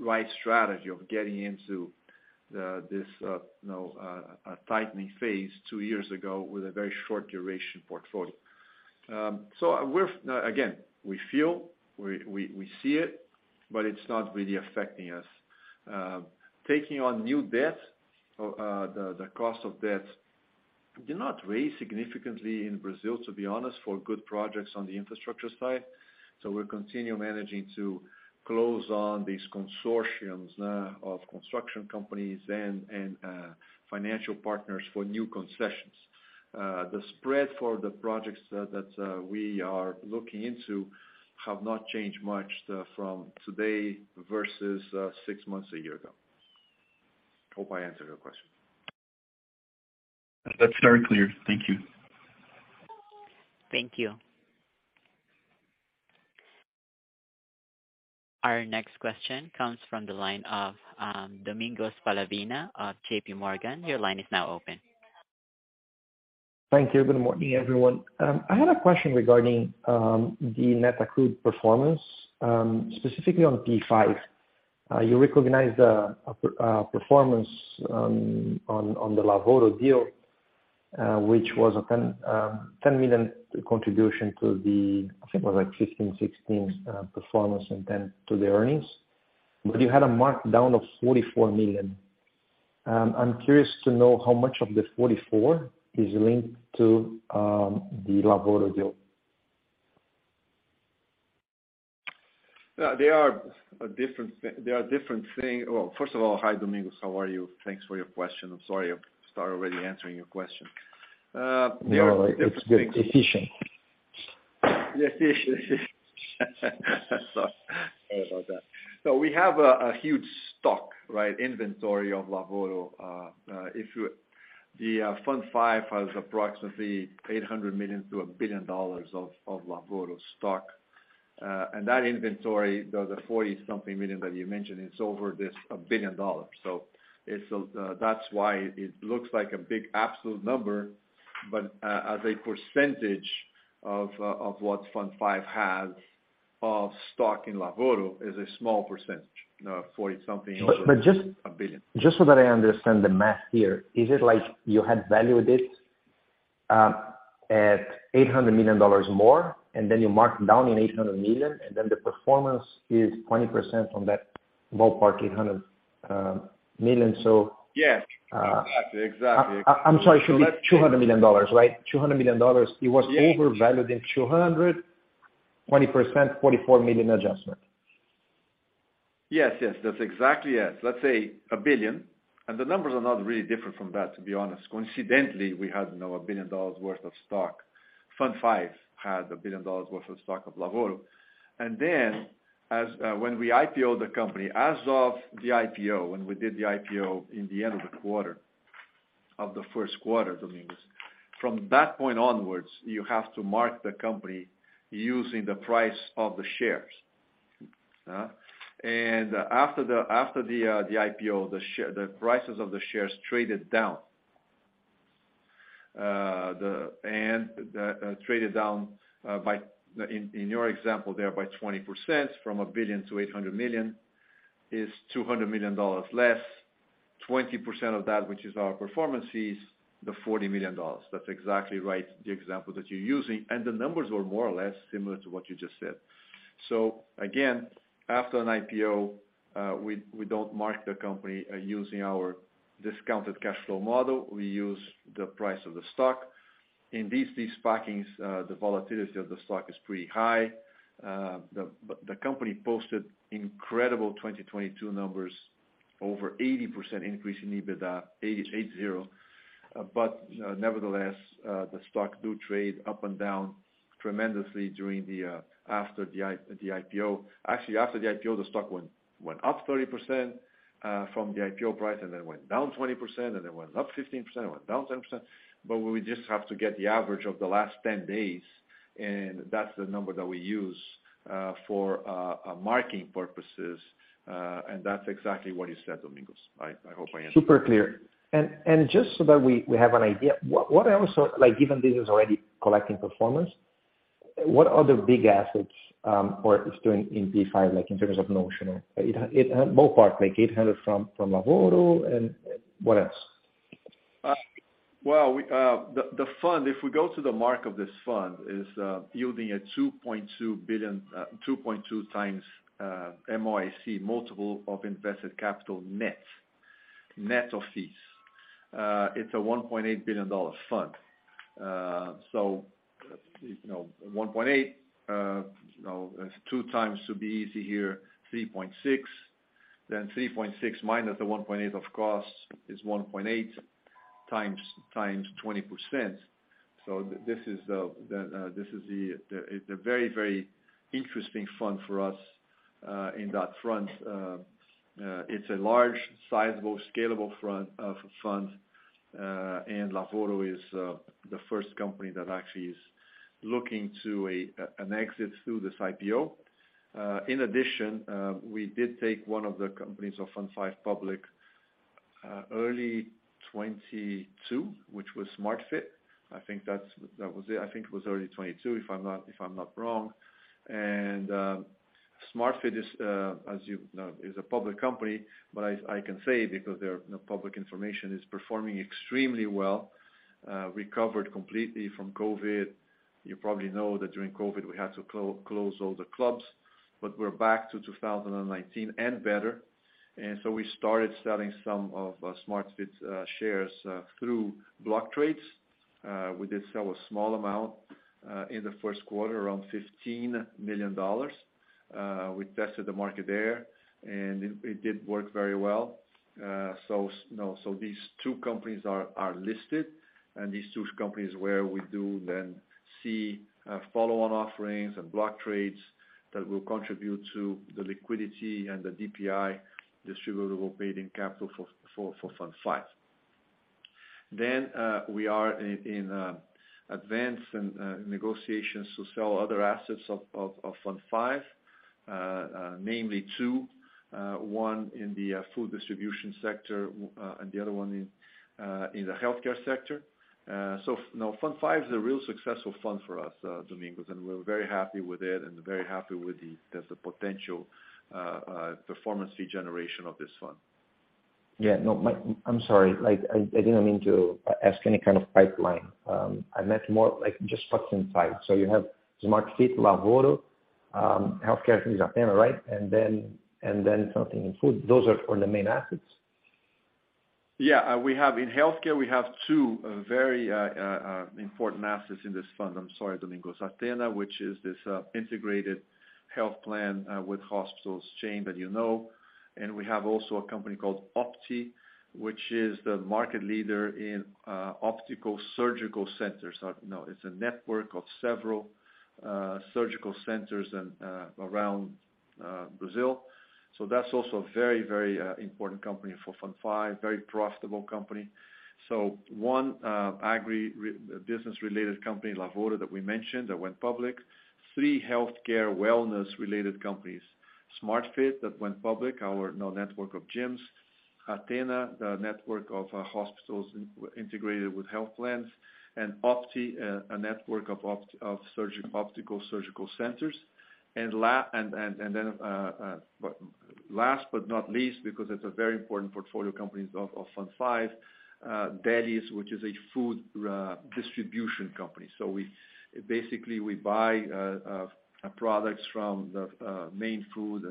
right strategy of getting into this, you know, tightening phase two years ago with a very short duration portfolio. Again, we feel, we see it, but it's not really affecting us. Taking on new debt, the cost of debt did not raise significantly in Brazil, to be honest, for good projects on the infrastructure side. We're continue managing to close on these consortiums, of construction companies and financial partners for new concessions. The spread for the projects that we are looking into have not changed much from today versus six months one year ago. Hope I answered your question. That's very clear. Thank you. Thank you. Our next question comes from the line of Domingos Falavina of JPMorgan. Your line is now open. Thank you. Good morning, everyone. I had a question regarding the net accrued performance, specifically on P5. You recognized the performance on the Lavoro deal, which was a $10 million contribution to the, I think it was like 15 16 performance and then to the earnings. You had a mark-down of $44 million. I'm curious to know how much of the $44 million is linked to the Lavoro deal. They are different thing. Well, first of all, hi, Domingos. How are you? Thanks for your question. I'm sorry I've started already answering your question. No, it's good. Efficient. Efficient. Sorry. Sorry about that. We have a huge stock, right, inventory of Lavoro. The Fund V has approximately $800 million-$1 billion of Lavoro stock. And that inventory, the $40-something million that you mentioned, it's over this $1 billion. That's why it looks like a big absolute number. As a percentage of what Fund V has of stock in Lavoro is a small percentage, $40-something over $1 billion. Just so that I understand the math here. Is it like you had valued it, at $800 million more, and then you marked down in $800 million, and then the performance is 20% from that ballpark $800 million? Yes. Exactly, exactly. I'm sorry. Should be $200 million, right? $200 million. It was overvalued in two hundred, 20%, $44 million adjustment. Yes, yes. That's exactly it. Let's say $1 billion. The numbers are not really different from that, to be honest. Coincidentally, we had now $1 billion worth of stock. Fund V had $1 billion worth of stock of Lavoro. Then as when we IPO the company, as of the IPO, when we did the IPO in the end of the quarter, of the first quarter, Domingos, from that point onwards, you have to mark the company using the price of the shares. After the, after the IPO, the prices of the shares traded down. Traded down in your example there by 20% from $1 billion-$800 million is $200 million less, 20% of that, which is our performance fees, the $40 million. That's exactly right, the example that you're using. The numbers were more or less similar to what you just said. Again, after an IPO, we don't mark the company using our discounted cash flow model. We use the price of the stock. In these de-SPACings, the volatility of the stock is pretty high. The company posted incredible 2022 numbers, over 80% increase in EBITDA, 880. Nevertheless, the stock do trade up and down tremendously during the after the IPO. Actually, after the IPO, the stock went up 30% from the IPO price, and then went down 20%, and it went up 15%, it went down 10%. We just have to get the average of the last 10 days, and that's the number that we use for marking purposes. That's exactly what you said, Domingos. I hope I answered. Super clear. Just so that we have an idea, what else Like, given this is already collecting performance, what other big assets, or is doing in P5, like, in terms of notional? Ballpark, like $800 million from Lavoro and what else? Well, we the fund, if we go to the mark of this fund, is yielding a $2.2 billion, 2.2x MOIC, multiple of invested capital, net of fees. It's a $1.8 billion fund. You know, $1.8 billion, you know, 2x to be easy here, 3.6. Then 3.6 minus the $1.8 billion of costs is $1.8 billionx20%. This is the very interesting fund for us in that front. It's a large, sizable, scalable front, fund. Lavoro is the first company that actually is looking to an exit through this IPO. In addition, we did take one of the companies of Fund V public early 2022, which was Smart Fit. I think that was it. I think it was early 2022, if I'm not wrong. Smart Fit is, as you know, is a public company, but I can say because they're, you know, public information is performing extremely well. Recovered completely from COVID. You probably know that during COVID, we had to close all the clubs, but we're back to 2019 and better. We started selling some of Smart Fit's shares through block trades. We did sell a small amount in the first quarter, around $15 million. We tested the market there, and it did work very well. You know, so these two companies are listed, and these two companies where we do then see, follow-on offerings and block trades that will contribute to the liquidity and the DPI distributable paid-in capital for Fund V. We are in advanced negotiations to sell other assets of Fund V, namely two, one in the food distribution sector, and the other one in the healthcare sector. No Fund V is a real successful fund for us, Domingos, and we're very happy with it and very happy with the, there's the potential performance fee generation of this fund. Yeah, no. I'm sorry. Like, I didn't mean to ask any kind of pipeline. I meant more like just facts inside. You have Smart Fit, Lavoro, healthcare is Athena, right? Then something in food. Those are the main assets? Yeah. We have in healthcare, we have two very important assets in this fund. I'm sorry, Domingos. Athena, which is this integrated health plan with hospitals chain that you know, and we have also a company called Opty, which is the market leader in optical surgical centers. You know, it's a network of several surgical centers and around Brazil. That's also a very, very important company for Fund V, very profitable company. One agri-business related company, Lavoro, that we mentioned that went public. Three healthcare wellness related companies, Smart Fit that went public. Our, you know, network of gyms. Athena, the network of hospitals integrated with health plans and Opty, a network of surgical, optical surgical centers. Well, last but not least, because it's a very important portfolio company of Fund V, Delly's, which is a food distribution company. We basically, we buy products from the main food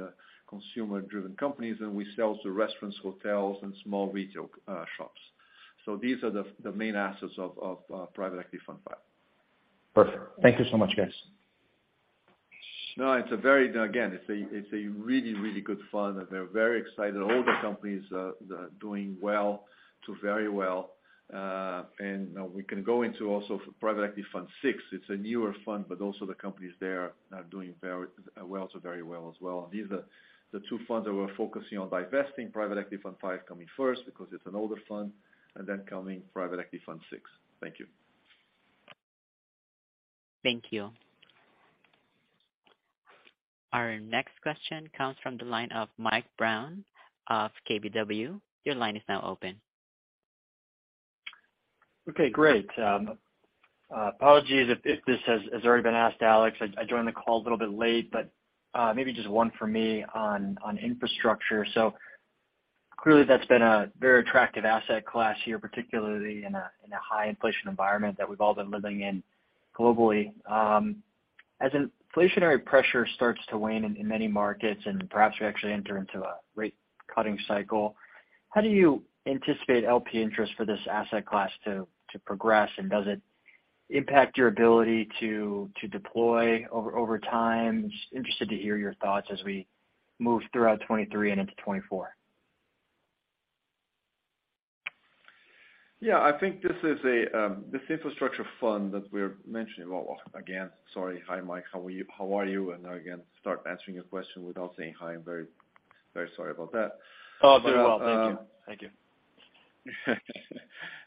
consumer driven companies, and we sell to restaurants, hotels and small retail shops. These are the main assets of Private Equity Fund V. Perfect. Thank you so much, guys. No, it's a very. Again, it's a really, really good fund, and they're very excited. All the companies are doing well to very well. We can go into also Private Equity Fund VI. It's a newer fund, but also the companies there are doing very well to very well as well. These are the two funds that we're focusing on divesting Private Equity Fund V coming first because it's an older fund and then coming Private Equity Fund VI. Thank you. Thank you. Our next question comes from the line of Mike Brown of KBW. Your line is now open. Okay, great. Apologies if this has already been asked, Alex. I joined the call a little bit late, but maybe just one for me on infrastructure. Clearly that's been a very attractive asset class here, particularly in a high inflation environment that we've all been living in globally. As inflationary pressure starts to wane in many markets, and perhaps we actually enter into a rate cutting cycle, how do you anticipate LP interest for this asset class to progress? Does it impact your ability to deploy over time? Just interested to hear your thoughts as we move throughout 2023 and into 2024. Yeah, I think this infrastructure fund that we're mentioning. Well, again, sorry. Hi, Mike, how are you? Again, start answering your question without saying hi. I'm very sorry about that. Oh, doing well. Thank you. Thank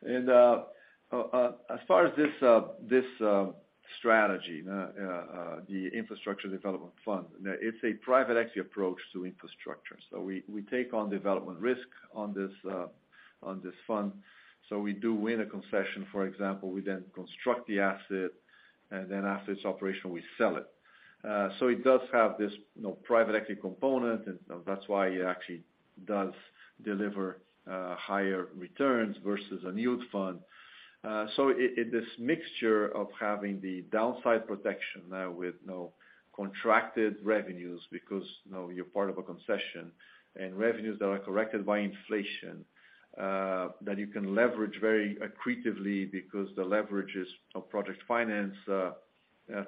you. As far as this strategy, the infrastructure development fund, it's a private equity approach to infrastructure. We take on development risk on this fund. We do win a concession, for example. We then construct the asset, and then after it's operational, we sell it. It does have this, you know, private equity component, and that's why it actually does deliver higher returns versus a yield fund. This mixture of having the downside protection with no contracted revenues because, you know, you're part of a concession and revenues that are corrected by inflation that you can leverage very accretively because the leverage is a project finance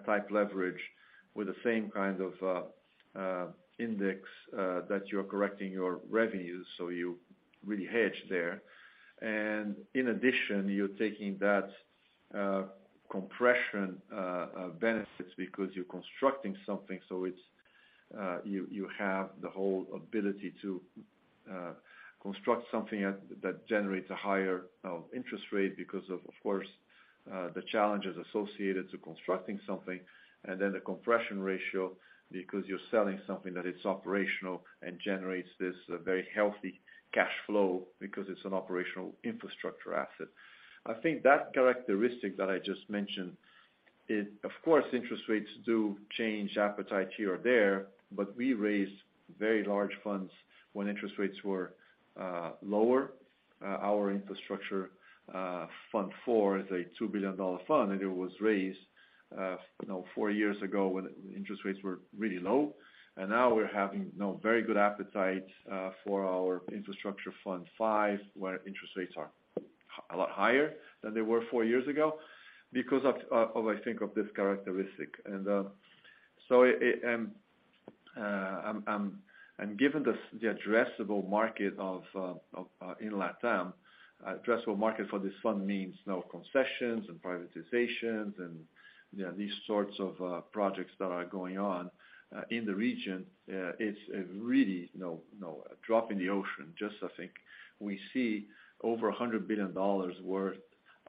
type leverage with the same kind of index that you're correcting your revenues, you really hedge there. In addition, you're taking that compression benefits because you're constructing something. It's you have the whole ability to construct something that generates a higher interest rate because of course, the challenges associated to constructing something and then the compression ratio because you're selling something that it's operational and generates this very healthy cash flow because it's an operational infrastructure asset. I think that characteristic that I just mentioned, it. Of course, interest rates do change appetite here or there, but we raised very large funds when interest rates were lower. Our Infrastructure Fund IV is a $2 billion fund, it was raised, you know, four years ago when interest rates were really low. Now we're having, you know, very good appetite for our Infrastructure Fund V, where interest rates are a lot higher than they were four years ago because of, I think of this characteristic. Given this, the addressable market of in LATAM, addressable market for this fund means no concessions and privatizations and, you know, these sorts of projects that are going on in the region. It's really, you know, a drop in the ocean. Just I think we see over $100 billion worth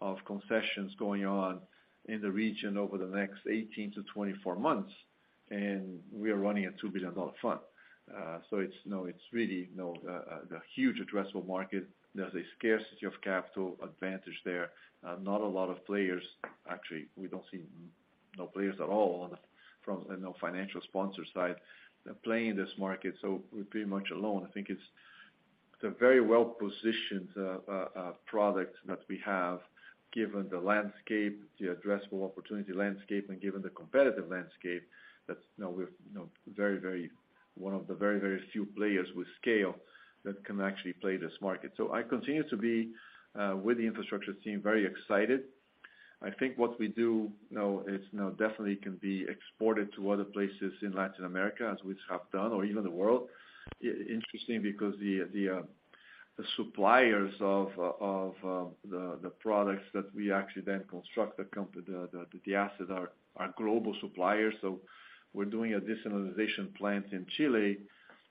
of concessions going on in the region over the next 18-24 months, and we are running a $2 billion fund. It's, you know, it's really, you know, the huge addressable market. There's a scarcity of capital advantage there. Not a lot of players. Actually, we don't see no players at all on the from a no financial sponsor side playing this market, so we're pretty much alone. I think it's the very well-positioned product that we have, given the landscape, the addressable opportunity landscape and given the competitive landscape that, you know, we're, you know, one of the very, very few players with scale that can actually play this market. I continue to be with the infrastructure team, very excited. I think what we do now is, you know, definitely can be exported to other places in Latin America, as we have done, or even the world. Interesting because the suppliers of the products that we actually then construct the assets are global suppliers, so we're doing a desalination plant in Chile,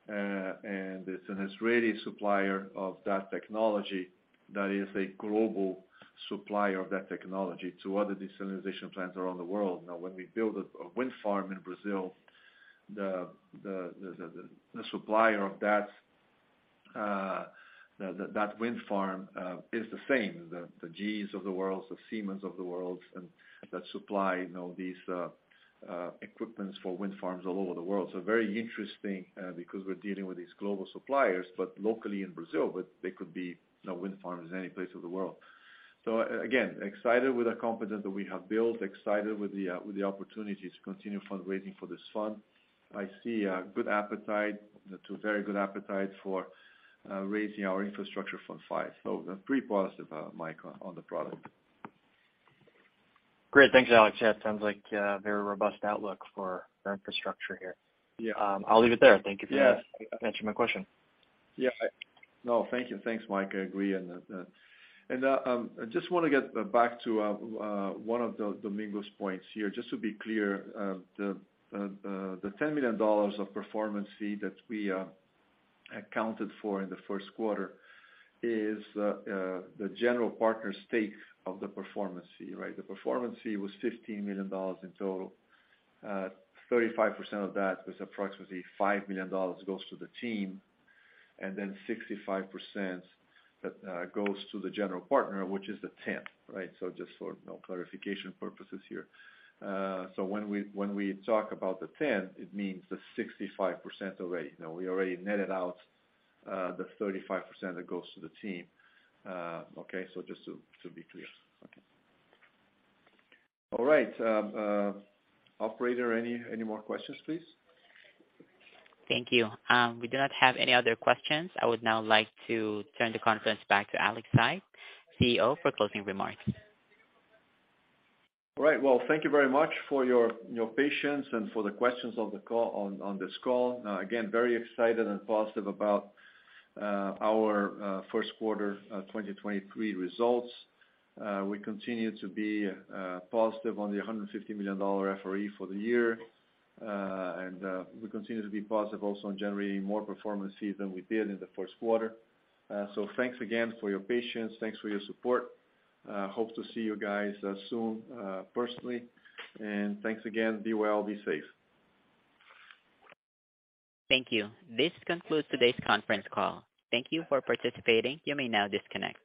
and it's an Israeli supplier of that technology that is a global supplier of that technology to other desalination plants around the world. When we build a wind farm in Brazil, the supplier of that wind farm is the same. The GEs of the world, the Siemens of the world, that supply, you know, these equipments for wind farms all over the world. Very interesting, because we're dealing with these global suppliers, but locally in Brazil. They could be, you know, wind farms in any place of the world. Again, excited with the competence that we have built, excited with the opportunity to continue fundraising for this fund. I see a good appetite, very good appetite for raising our infrastructure fund size. I'm pretty positive, Mike, on the product. Great. Thanks, Alex. It sounds like a very robust outlook for our infrastructure here. Yeah. I'll leave it there. Yes. answering my question. Yeah. No. Thank you. Thanks, Mike. I agree on that. I just wanna get back to one of Domingo's points here. Just to be clear, the $10 million of performance fee that we accounted for in the first quarter is the general partner stake of the performance fee, right? The performance fee was $15 million in total. 35% of that was approximately $5 million goes to the team, and then 65% goes to the general partner, which is the $10 million, right? Just for, you know, clarification purposes here. When we talk about the $10 million, it means the 65% already. Now, we already netted out the 35% that goes to the team. Okay, so just to be clear. Okay. All right, Operator, any more questions, please? Thank you. We do not have any other questions. I would now like to turn the conference back to Alex Saigh, CEO, for closing remarks. All right. Well, thank you very much for your patience and for the questions of the call on this call. Again, very excited and positive about our first quarter 2023 results. We continue to be positive on the $150 million FRE for the year. We continue to be positive also on generating more performance fee than we did in the first quarter. Thanks again for your patience. Thanks for your support. Hope to see you guys soon personally. Thanks again. Be well, be safe. Thank you. This concludes today's conference call. Thank you for participating. You may now disconnect.